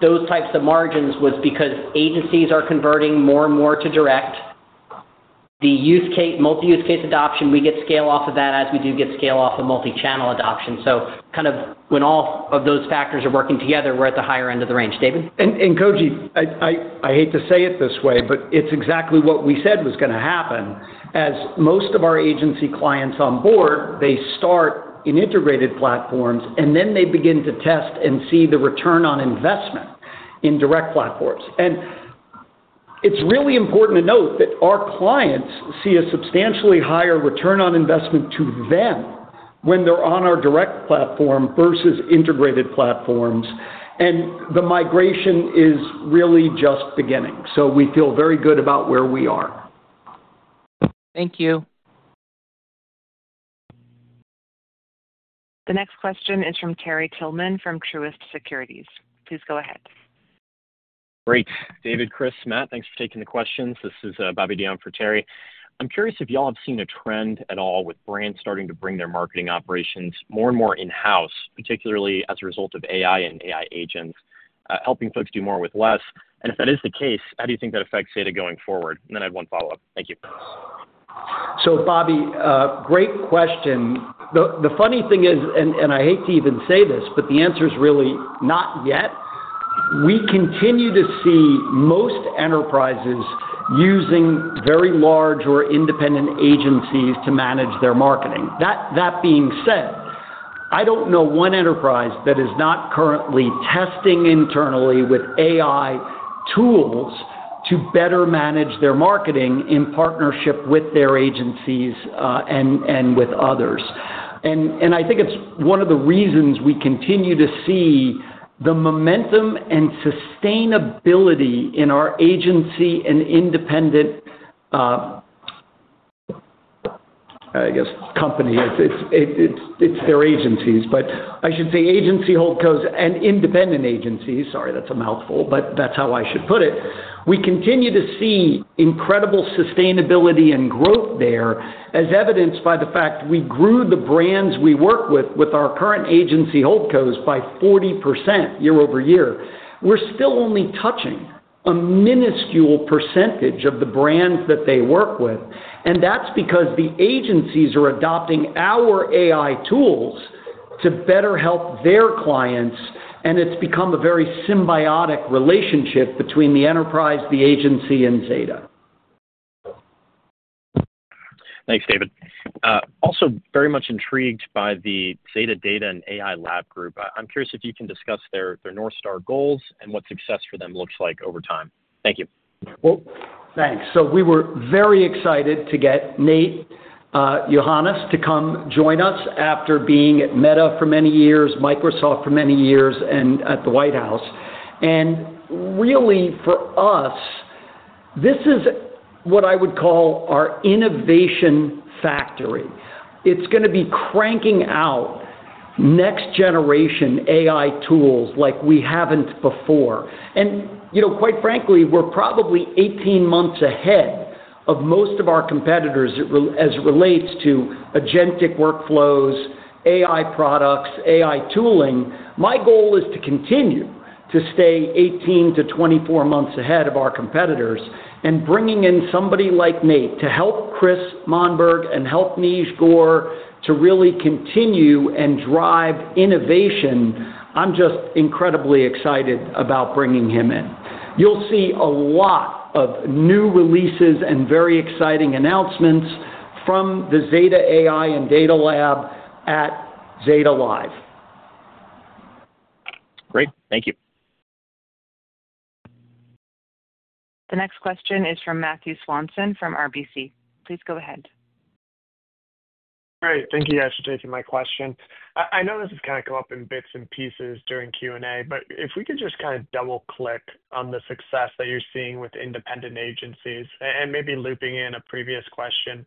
those types of margins was because agencies are converting more and more to direct. The multi-use case adoption, we get scale off of that as we do get scale off of multi-channel adoption. When all of those factors are working together, we're at the higher end of the range. David? Koji, I hate to say it this way, but it's exactly what we said was going to happen. As most of our agency clients on board, they start in integrated platforms and then they begin to test and see the ROI in direct platforms. It's really important to note that our clients see a substantially higher ROI to them when they're on our direct platform versus integrated platforms. The migration is really just beginning. We feel very good about where we are. Thank you. The next question is from Terry Tillman from Truist Securities. Please go ahead. Great. David, Chris, Matt, thanks for taking the questions. This is Bobby Dion for Terry. I'm curious if you all have seen a trend at all with brands starting to bring their marketing operations more and more in-house, particularly as a result of AI and AI agents helping folks do more with less. If that is the case, how do you think that affects data going forward? I have one follow-up. Thank you. Great question. The funny thing is, and I hate to even say this, but the answer is really not yet. We continue to see most enterprises using very large or independent agencies to manage their marketing. That being said, I don't know one enterprise that is not currently testing internally with AI tools to better manage their marketing in partnership with their agencies and with others. I think it's one of the reasons we continue to see the momentum and sustainability in our agency and independent, I guess, company. It's their agencies, but I should say agency holdcos and independent agencies. Sorry, that's a mouthful, but that's how I should put it. We continue to see incredible sustainability and growth there, as evidenced by the fact we grew the brands we work with, with our current agency holdcos by 40% year-over-year. We're still only touching a minuscule percentage of the brands that they work with. That's because the agencies are adopting our AI tools to better help their clients. It's become a very symbiotic relationship between the enterprise, the agency, and Zeta Global. Thanks, David. Also, very much intrigued by the Zeta Data and AI Lab. I'm curious if you can discuss their North Star goals and what success for them looks like over time. Thank you. Thank you. We were very excited to get Nate Yohannes to come join us after being at Meta for many years, Microsoft for many years, and at the White House. For us, this is what I would call our innovation factory. It's going to be cranking out next-generation AI tools like we haven't before. Quite frankly, we're probably 18 months ahead of most of our competitors as it relates to agentic workflows, AI products, AI tooling. My goal is to continue to stay 18 to 24 months ahead of our competitors and bringing in somebody like Nate to help Christian Monberg and help Neej Gore to really continue and drive innovation. I'm just incredibly excited about bringing him in. You'll see a lot of new releases and very exciting announcements from the Zeta Data and AI Lab at Zeta Live. Great. Thank you. The next question is from Matthew Swanson from RBC. Please go ahead. All right. Thank you guys for taking my question. I know this has kind of come up in bits and pieces during Q&A, but if we could just kind of double-click on the success that you're seeing with independent agencies and maybe looping in a previous question,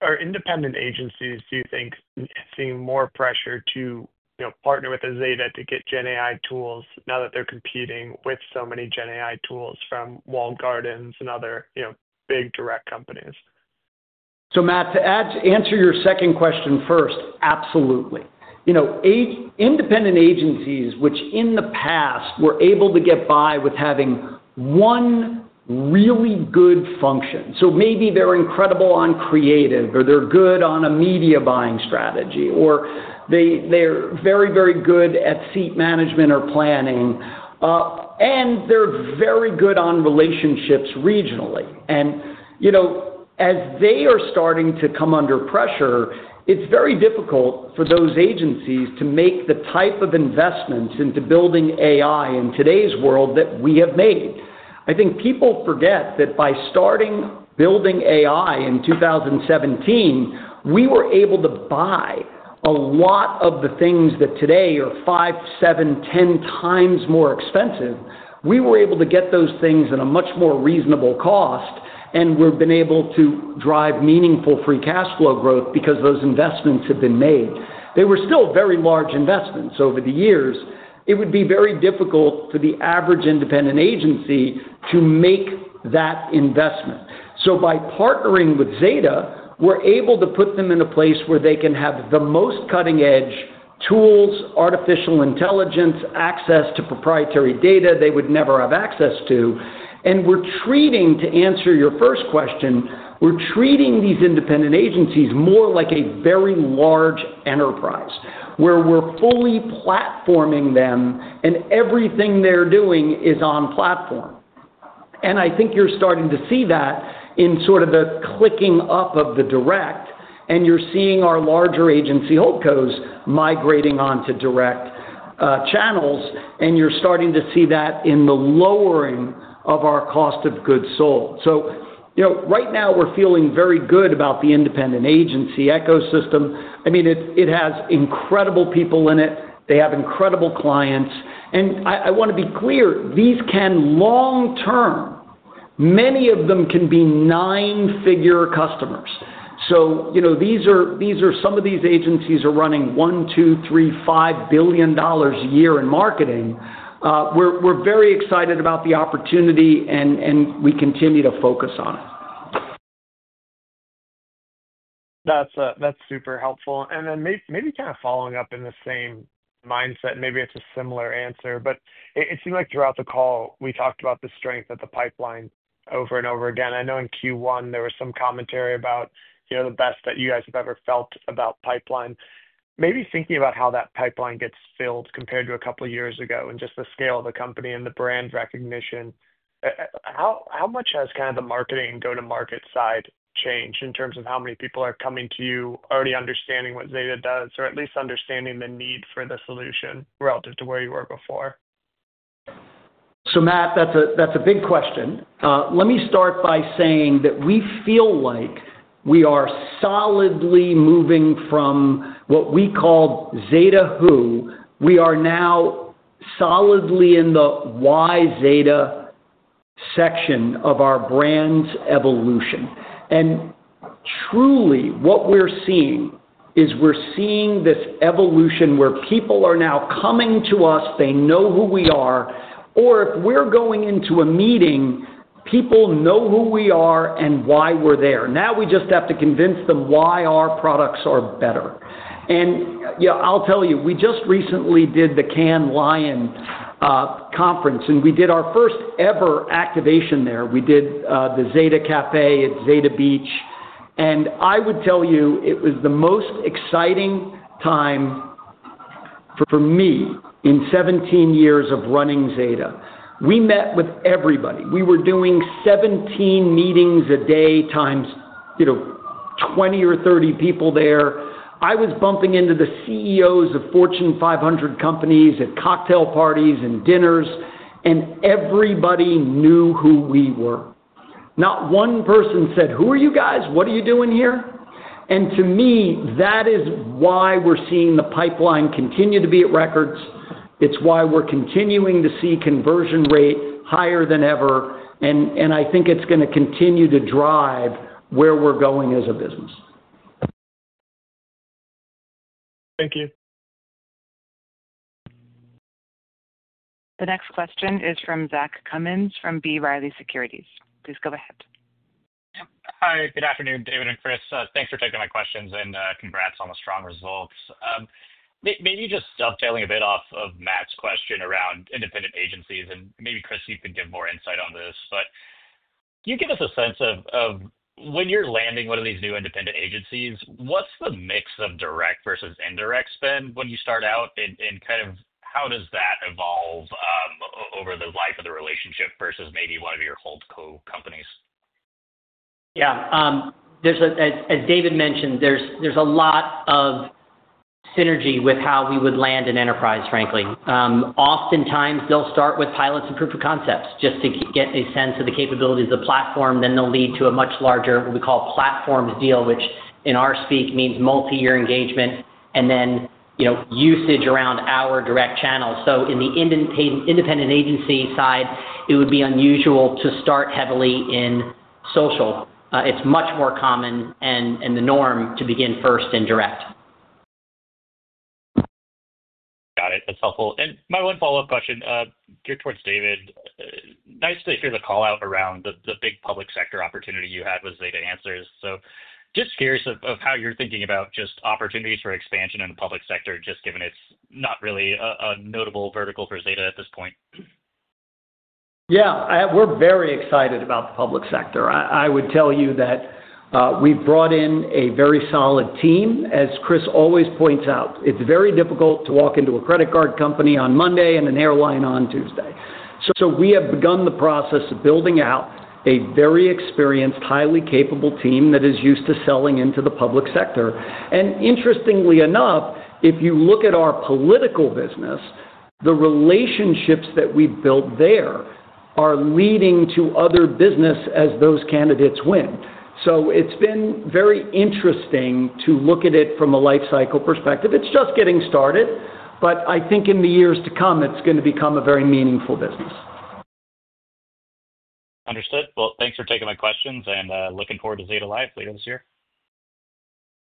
are independent agencies, do you think, seeing more pressure to partner with Zeta to get GenAI tools now that they're competing with so many GenAI tools from Walmart and other, you know, big direct companies? Matt, to answer your second question first, absolutely. Independent agencies, which in the past were able to get by with having one really good function, maybe they're incredible on creative or they're good on a media buying strategy or they're very, very good at seat management or planning, and they're very good on relationships regionally. As they are starting to come under pressure, it's very difficult for those agencies to make the type of investments into building AI in today's world that we have made. I think people forget that by starting building AI in 2017, we were able to buy a lot of the things that today are five, seven, ten times more expensive. We were able to get those things at a much more reasonable cost, and we've been able to drive meaningful free cash flow growth because those investments have been made. They were still very large investments over the years. It would be very difficult for the average independent agency to make that investment. By partnering with Zeta Global, we're able to put them in a place where they can have the most cutting-edge tools, artificial intelligence, access to proprietary data they would never have access to. To answer your first question, we're treating these independent agencies more like a very large enterprise where we're fully platforming them and everything they're doing is on platform. I think you're starting to see that in sort of the clicking up of the direct, and you're seeing our larger agency hold codes migrating onto direct channels, and you're starting to see that in the lowering of our cost of goods sold. Right now we're feeling very good about the independent agency ecosystem. It has incredible people in it. They have incredible clients. I want to be clear, these can long term, many of them can be nine-figure customers. These are, some of these agencies are running $1 billion, $2 billion, $3 billion, $5 billion a year in marketing. We're very excited about the opportunity and we continue to focus on it. That's super helpful. Maybe kind of following up in the same mindset, maybe it's a similar answer, but it seemed like throughout the call we talked about the strength of the pipeline over and over again. I know in Q1 there was some commentary about the best that you guys have ever felt about pipeline. Maybe thinking about how that pipeline gets filled compared to a couple of years ago and just the scale of the company and the brand recognition. How much has kind of the marketing go-to-market side changed in terms of how many people are coming to you already understanding what Zeta Global does or at least understanding the need for the solution relative to where you were before? Matt, that's a big question. Let me start by saying that we feel like we are solidly moving from what we called Zeta Who. We are now solidly in the Why Zeta section of our brand's evolution. Truly, what we're seeing is this evolution where people are now coming to us, they know who we are, or if we're going into a meeting, people know who we are and why we're there. Now we just have to convince them why our products are better. I'll tell you, we just recently did the Cannes Lion Conference and we did our first ever activation there. We did the Zeta Cafe at Zeta Beach. I would tell you, it was the most exciting time for me in 17 years of running Zeta. We met with everybody. We were doing 17 meetings a day times, you know, 20 or 30 people there. I was bumping into the CEOs of Fortune 500 companies at cocktail parties and dinners, and everybody knew who we were. Not one person said, "Who are you guys? What are you doing here?" To me, that is why we're seeing the pipeline continue to be at records. It's why we're continuing to see conversion rate higher than ever. I think it's going to continue to drive where we're going as a business. Thank you. The next question is from Zach Cummins from B. Riley Securities. Please go ahead. Hi, good afternoon, David and Chris. Thanks for taking my questions and congrats on the strong results. Maybe just dovetailing a bit off of Matt's question around independent agencies, and maybe Chris, you could give more insight on this, but can you give us a sense of when you're landing one of these new independent agencies, what's the mix of direct versus indirect spend when you start out, and kind of how does that evolve over the life of the relationship versus maybe one of your holdco companies? Yeah. As David Steinberg mentioned, there's a lot of synergy with how we would land an enterprise, frankly. Oftentimes, they'll start with pilots and proof of concepts just to get a sense of the capabilities of the platform. They lead to a much larger, what we call platforms deal, which in our speak means multi-year engagement and usage around our direct channels. In the independent agency side, it would be unusual to start heavily in social. It's much more common and the norm to begin first in direct. Got it. That's helpful. My one follow-up question is geared towards David. Nice to hear the call out around the big public sector opportunity you had with Zeta Answers. I'm just curious how you're thinking about opportunities for expansion in the public sector, given it's not really a notable vertical for Zeta at this point. Yeah, we're very excited about the public sector. I would tell you that we've brought in a very solid team. As Chris always points out, it's very difficult to walk into a credit card company on Monday and an airline on Tuesday. We have begun the process of building out a very experienced, highly capable team that is used to selling into the public sector. Interestingly enough, if you look at our political business, the relationships that we've built there are leading to other business as those candidates win. It's been very interesting to look at it from a lifecycle perspective. It's just getting started, but I think in the years to come, it's going to become a very meaningful business. Understood. Thanks for taking my questions and looking forward to Zeta Live later this year.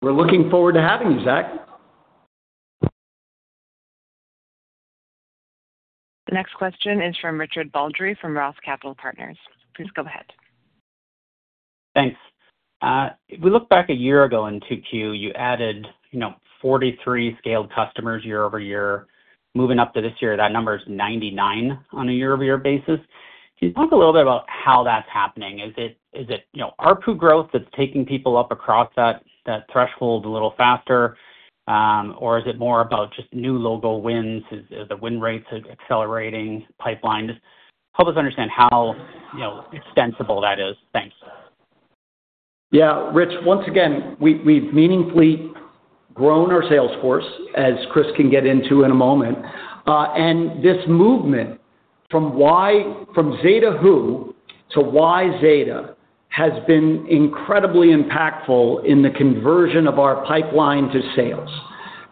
We're looking forward to having you, Zach. The next question is from Richard Baldry from Ross Capital Partners. Please go ahead. Thanks. We looked back a year ago in 2Q. You added 43 scaled customers year-over-year. Moving up to this year, that number is 99 on a year-over-year basis. Can you talk a little bit about how that's happening? Is it ARPU growth that's taking people up across that threshold a little faster, or is it more about just new logo wins? Are the win rates accelerating? Pipeline? Just help us understand how extensible that is. Thanks. Yeah, Rich, once again, we've meaningfully grown our sales force, as Chris can get into in a moment. This movement from Zeta Who to Why Zeta has been incredibly impactful in the conversion of our pipeline to sales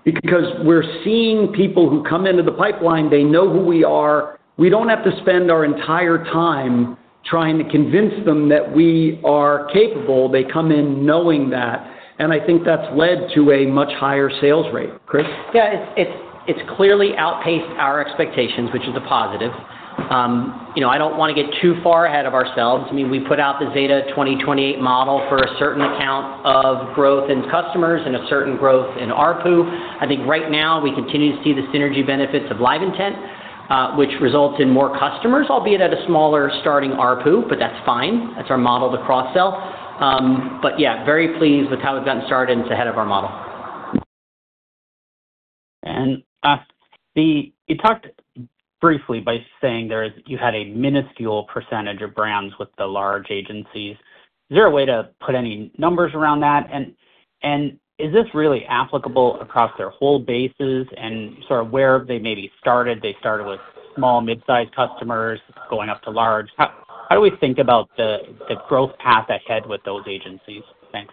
because we're seeing people who come into the pipeline, they know who we are. We don't have to spend our entire time trying to convince them that we are capable. They come in knowing that. I think that's led to a much higher sales rate. Chris? Yeah, it's clearly outpaced our expectations, which is a positive. I don't want to get too far ahead of ourselves. I mean, we put out the Zeta 2028 model for a certain amount of growth in customers and a certain growth in ARPU. I think right now we continue to see the synergy benefits of LiveIntent, which results in more customers, albeit at a smaller starting ARPU, but that's fine. That's our model to cross-sell. Yeah, very pleased with how we've gotten started and it's ahead of our model. You talked briefly by saying you had a minuscule percentage of brands with the large agencies. Is there a way to put any numbers around that? Is this really applicable across their whole bases? Where have they maybe started? They started with small, mid-sized customers going up to large. How do we think about the growth path ahead with those agencies? Thanks.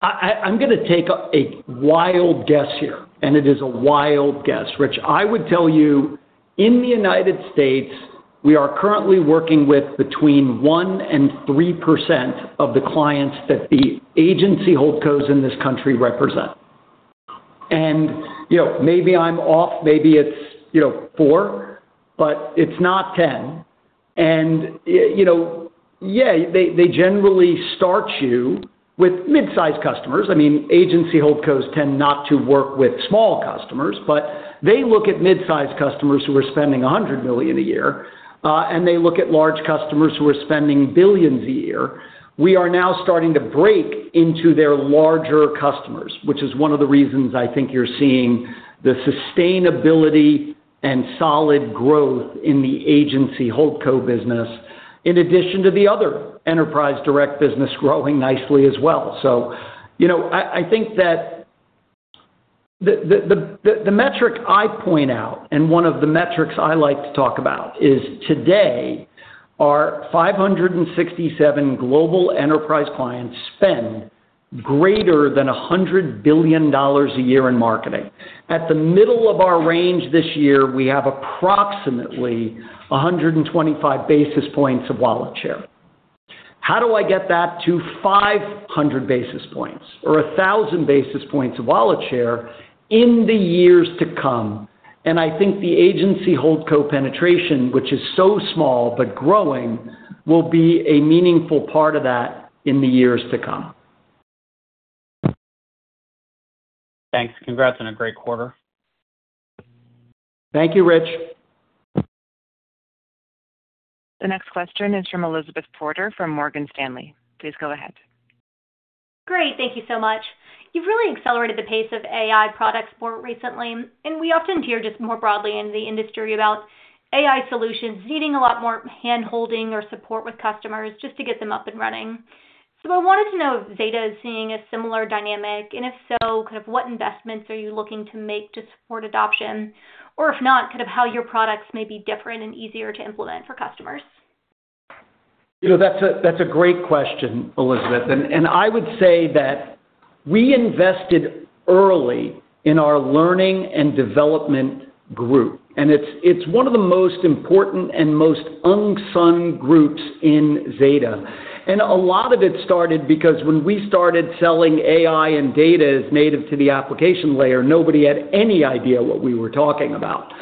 I'm going to take a wild guess here, and it is a wild guess, Rich. I would tell you, in the U.S., we are currently working with between 1% and 3% of the clients that the agency holdcos in this country represent. You know, maybe I'm off, maybe it's, you know, 4%, but it's not 10%. They generally start you with mid-sized customers. I mean, agency holdcos tend not to work with small customers, but they look at mid-sized customers who are spending $100 million a year, and they look at large customers who are spending billions a year. We are now starting to break into their larger customers, which is one of the reasons I think you're seeing the sustainability and solid growth in the agency holdco business, in addition to the other enterprise direct business growing nicely as well. I think that the metric I point out, and one of the metrics I like to talk about, is today our 567 global enterprise clients spend greater than $100 billion a year in marketing. At the middle of our range this year, we have approximately 125 basis points of wallet share. How do I get that to 500 basis points or 1,000 basis points of wallet share in the years to come? I think the agency holdco penetration, which is so small but growing, will be a meaningful part of that in the years to come. Thanks. Congrats on a great quarter. Thank you, Rich. The next question is from Elizabeth Porter from Morgan Stanley. Please go ahead. Great, thank you so much. You've really accelerated the pace of AI products more recently, and we often hear just more broadly in the industry about AI solutions needing a lot more hand-holding or support with customers just to get them up and running. I wanted to know if Zeta is seeing a similar dynamic, and if so, what investments are you looking to make to support adoption, or if not, how your products may be different and easier to implement for customers? That's a great question, Elizabeth. I would say that we invested early in our learning and development group, and it's one of the most important and most unsung groups in Zeta. A lot of it started because when we started selling AI and data as native to the application layer, nobody had any idea what we were talking about.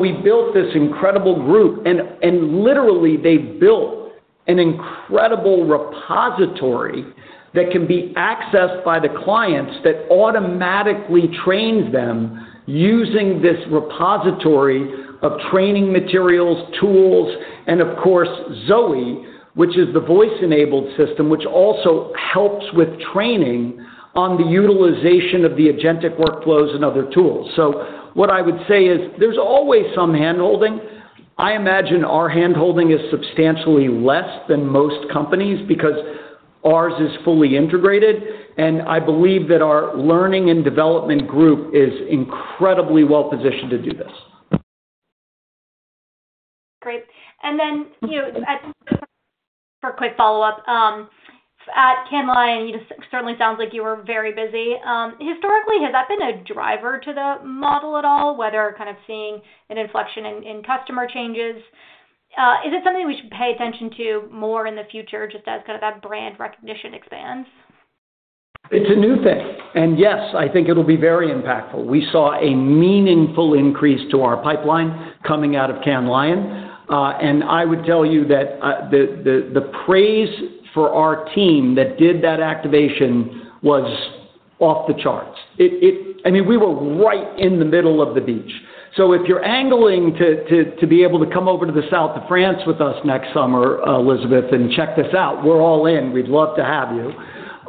We built this incredible group, and literally they built an incredible repository that can be accessed by the clients that automatically trains them using this repository of training materials, tools, and of course, Zoe, which is the voice-enabled system, which also helps with training on the utilization of the agentic workflows and other tools. What I would say is there's always some hand-holding. I imagine our hand-holding is substantially less than most companies because ours is fully integrated, and I believe that our learning and development group is incredibly well positioned to do this. Great. For a quick follow-up, at Cannes Lions, you just certainly sound like you were very busy. Historically, has that been a driver to the model at all, whether kind of seeing an inflection in customer changes? Is it something we should pay attention to more in the future, just as kind of that brand recognition expands? It's a new thing. Yes, I think it'll be very impactful. We saw a meaningful increase to our pipeline coming out of Cannes Lion, and I would tell you that the praise for our team that did that activation was off the charts. I mean, we were right in the middle of the beach. If you're angling to be able to come over to the south of France with us next summer, Elizabeth, and check this out, we're all in. We'd love to have you.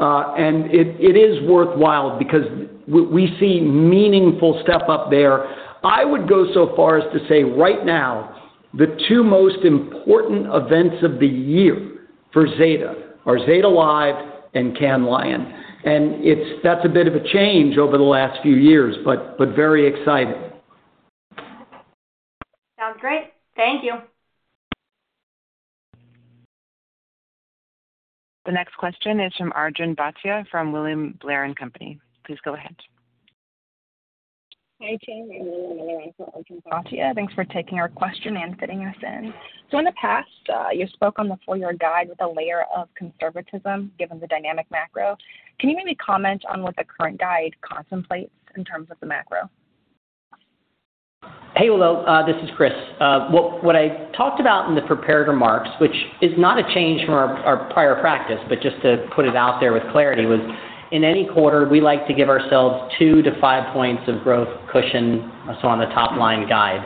It is worthwhile because we see meaningful step up there. I would go so far as to say right now, the two most important events of the year for Zeta Global are Zeta Live and Cannes Lion. That's a bit of a change over the last few years, but very exciting. Sounds great. Thank you. The next question is from Arjun Bhatia from William Blair and Company. Please go ahead. Thanks for taking our question and fitting us in. In the past, you spoke on the full-year guide with a layer of conservatism given the dynamic macro. Can you maybe comment on what the current guide contemplates in terms of the macro? Hey, Arjun. This is Chris. What I talked about in the prepared remarks, which is not a change from our prior practice, but just to put it out there with clarity, was in any quarter, we like to give ourselves 2%-5% of growth cushion. On the top line guide,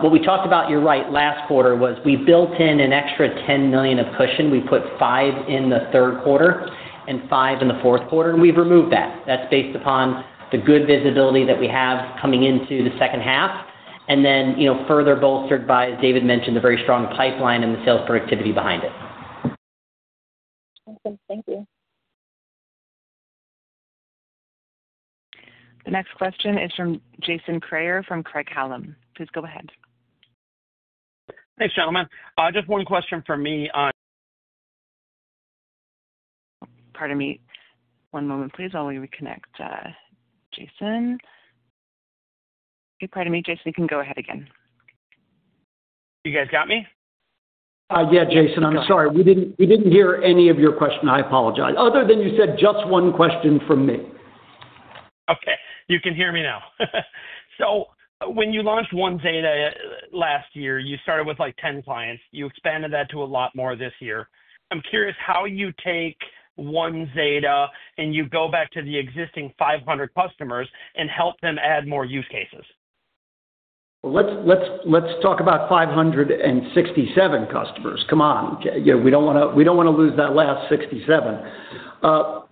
what we talked about, you're right, last quarter was we built in an extra $10 million of cushion. We put $5 million in the third quarter and $5 million in the fourth quarter, and we've removed that. That's based upon the good visibility that we have coming into the second half, further bolstered by, as David mentioned, the very strong pipeline and the sales productivity behind it. Thank you. The next question is from Jason Kreyer from Craig-Hallum. Please go ahead. Thanks, gentlemen. Just one question from me. Pardon me. One moment, please. I'll reconnect Jason. Jason, you can go ahead again. You guys got me? Yeah, Jason, I'm sorry. We didn't hear any of your question. I apologize, other than you said just one question from me. Okay. You can hear me now. When you launched One Zeta last year, you started with like 10 clients. You expanded that to a lot more this year. I'm curious how you take One Zeta and you go back to the existing 500 customers and help them add more use cases. Let's talk about 567 customers. Come on, we don't want to lose that last 67.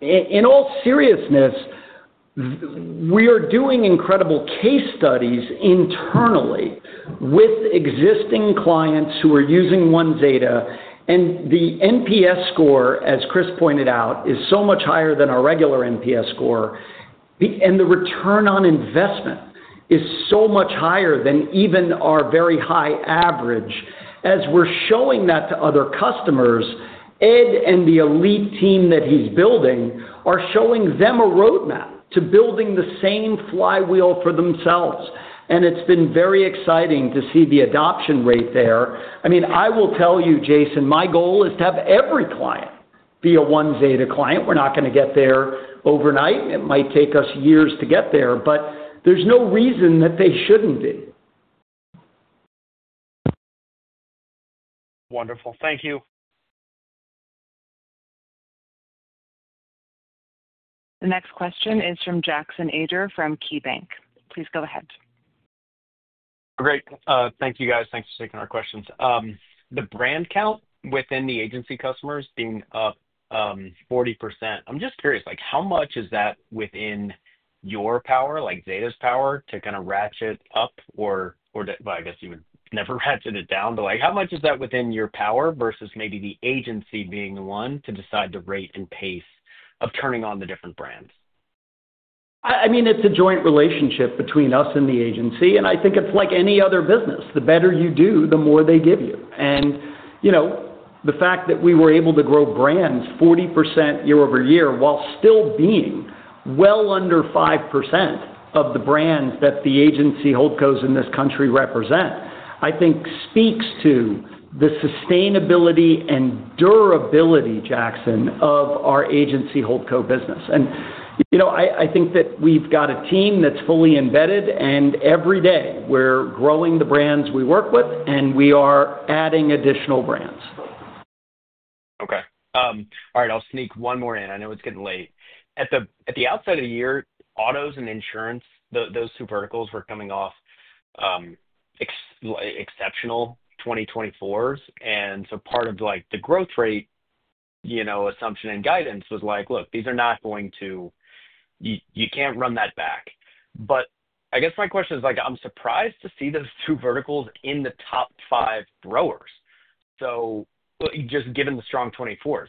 In all seriousness, we are doing incredible case studies internally with existing clients who are using One Zeta, and the net promoter scores, as Chris pointed out, are so much higher than our regular net promoter scores, and the ROI is so much higher than even our very high average. As we're showing that to other customers, Ed and the elite team that he's building are showing them a roadmap to building the same flywheel for themselves. It's been very exciting to see the adoption rate there. I will tell you, Jason, my goal is to have every client be a One Zeta client. We're not going to get there overnight. It might take us years to get there, but there's no reason that they shouldn't be. Wonderful. Thank you. The next question is from Jackson Ader from KeyBanc. Please go ahead. Great. Thank you guys. Thanks for taking our questions. The brand count within the agency customers being up 40%, I'm just curious, like how much is that within your power, like Zeta's power, to kind of ratchet up or, I guess you would never ratchet it down, but like how much is that within your power versus maybe the agency being the one to decide the rate and pace of turning on the different brand? It's a joint relationship between us and the agency, and I think it's like any other business. The better you do, the more they give you. The fact that we were able to grow brands 40% year-over-year while still being well under 5% of the brands that the agency hold codes in this country represent, I think speaks to the sustainability and durability, Jackson, of our agency hold code business. I think that we've got a team that's fully embedded, and every day we're growing the brands we work with, and we are adding additional brands. Okay. All right. I'll sneak one more in. I know it's getting late. At the outset of the year, autos and insurance, those two verticals were coming off exceptional 2024s, and part of the growth rate assumption and guidance was like, look, these are not going to, you can't run that back. I guess my question is, I'm surprised to see those two verticals in the top five growers, just given the strong 2024s.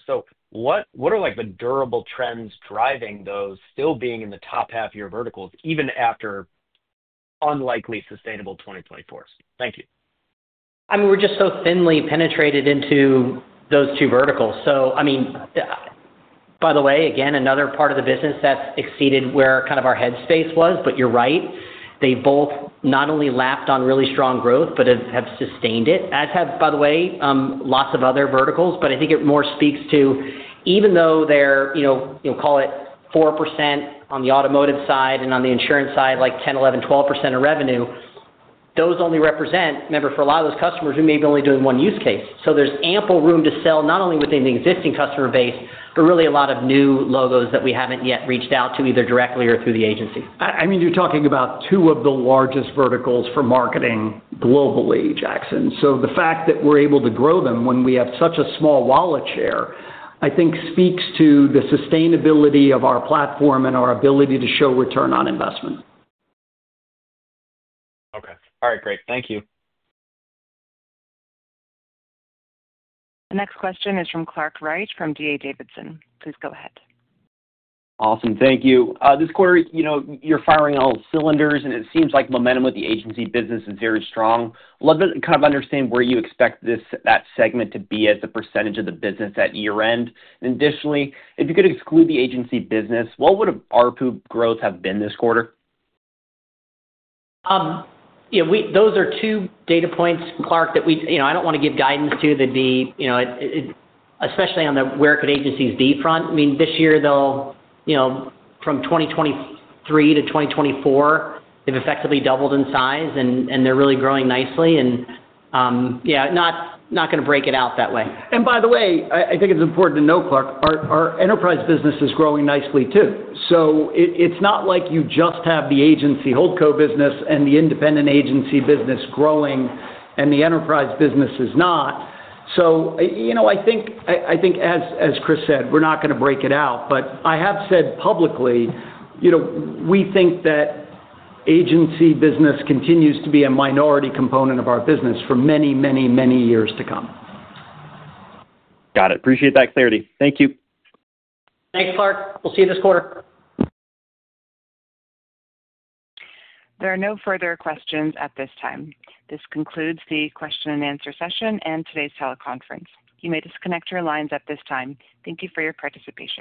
What are the durable trends driving this still being in the top half of your verticals, even after unlikely sustainable 2024. Thank you. We're just so thinly penetrated into those two verticals. By the way, another part of the business that's exceeded where kind of our headspace was, but you're right. They both not only lapped on really strong growth, but have sustained it, as have, by the way, lots of other verticals. I think it more speaks to, even though they're, you know, call it 4% on the automotive side and on the insurance side, like 10%, 11%, 12% of revenue, those only represent, remember, for a lot of those customers, we may be only doing one use case. There's ample room to sell not only within the existing customer base, but really a lot of new logos that we haven't yet reached out to either directly or through the agency. I mean, you're talking about two of the largest verticals for marketing globally, Jackson. The fact that we're able to grow them when we have such a small wallet share, I think speaks to the sustainability of our platform and our ability to show ROI. Okay. All right. Great. Thank you. The next question is from Clark Wright from D.A. Davidson. Please go ahead. Awesome. Thank you. This quarter, you're firing on all cylinders and it seems like momentum with the agency business is very strong. I'd love to kind of understand where you expect that segment to be as a percentage of the business at year end. Additionally, if you could exclude the agency business, what would ARPU growth have been this quarter? Yeah, those are two data points, Clark, that we, you know, I don't want to give guidance to. They'd be, you know, especially on the where could agencies be front. I mean, this year, from 2023 to 2024, they've effectively doubled in size and they're really growing nicely. Not going to break it out that way. By the way, I think it's important to note, Clark, our enterprise business is growing nicely too. It's not like you just have the agency holdco business and the independent agency business growing and the enterprise business is not. I think, as Chris said, we're not going to break it out, but I have said publicly, we think that agency business continues to be a minority component of our business for many, many, many years to come. Got it. Appreciate that clarity. Thank you. Thanks, Clark. We'll see you this quarter. There are no further questions at this time. This concludes the question and answer session and today's teleconference. You may disconnect your lines at this time. Thank you for your participation.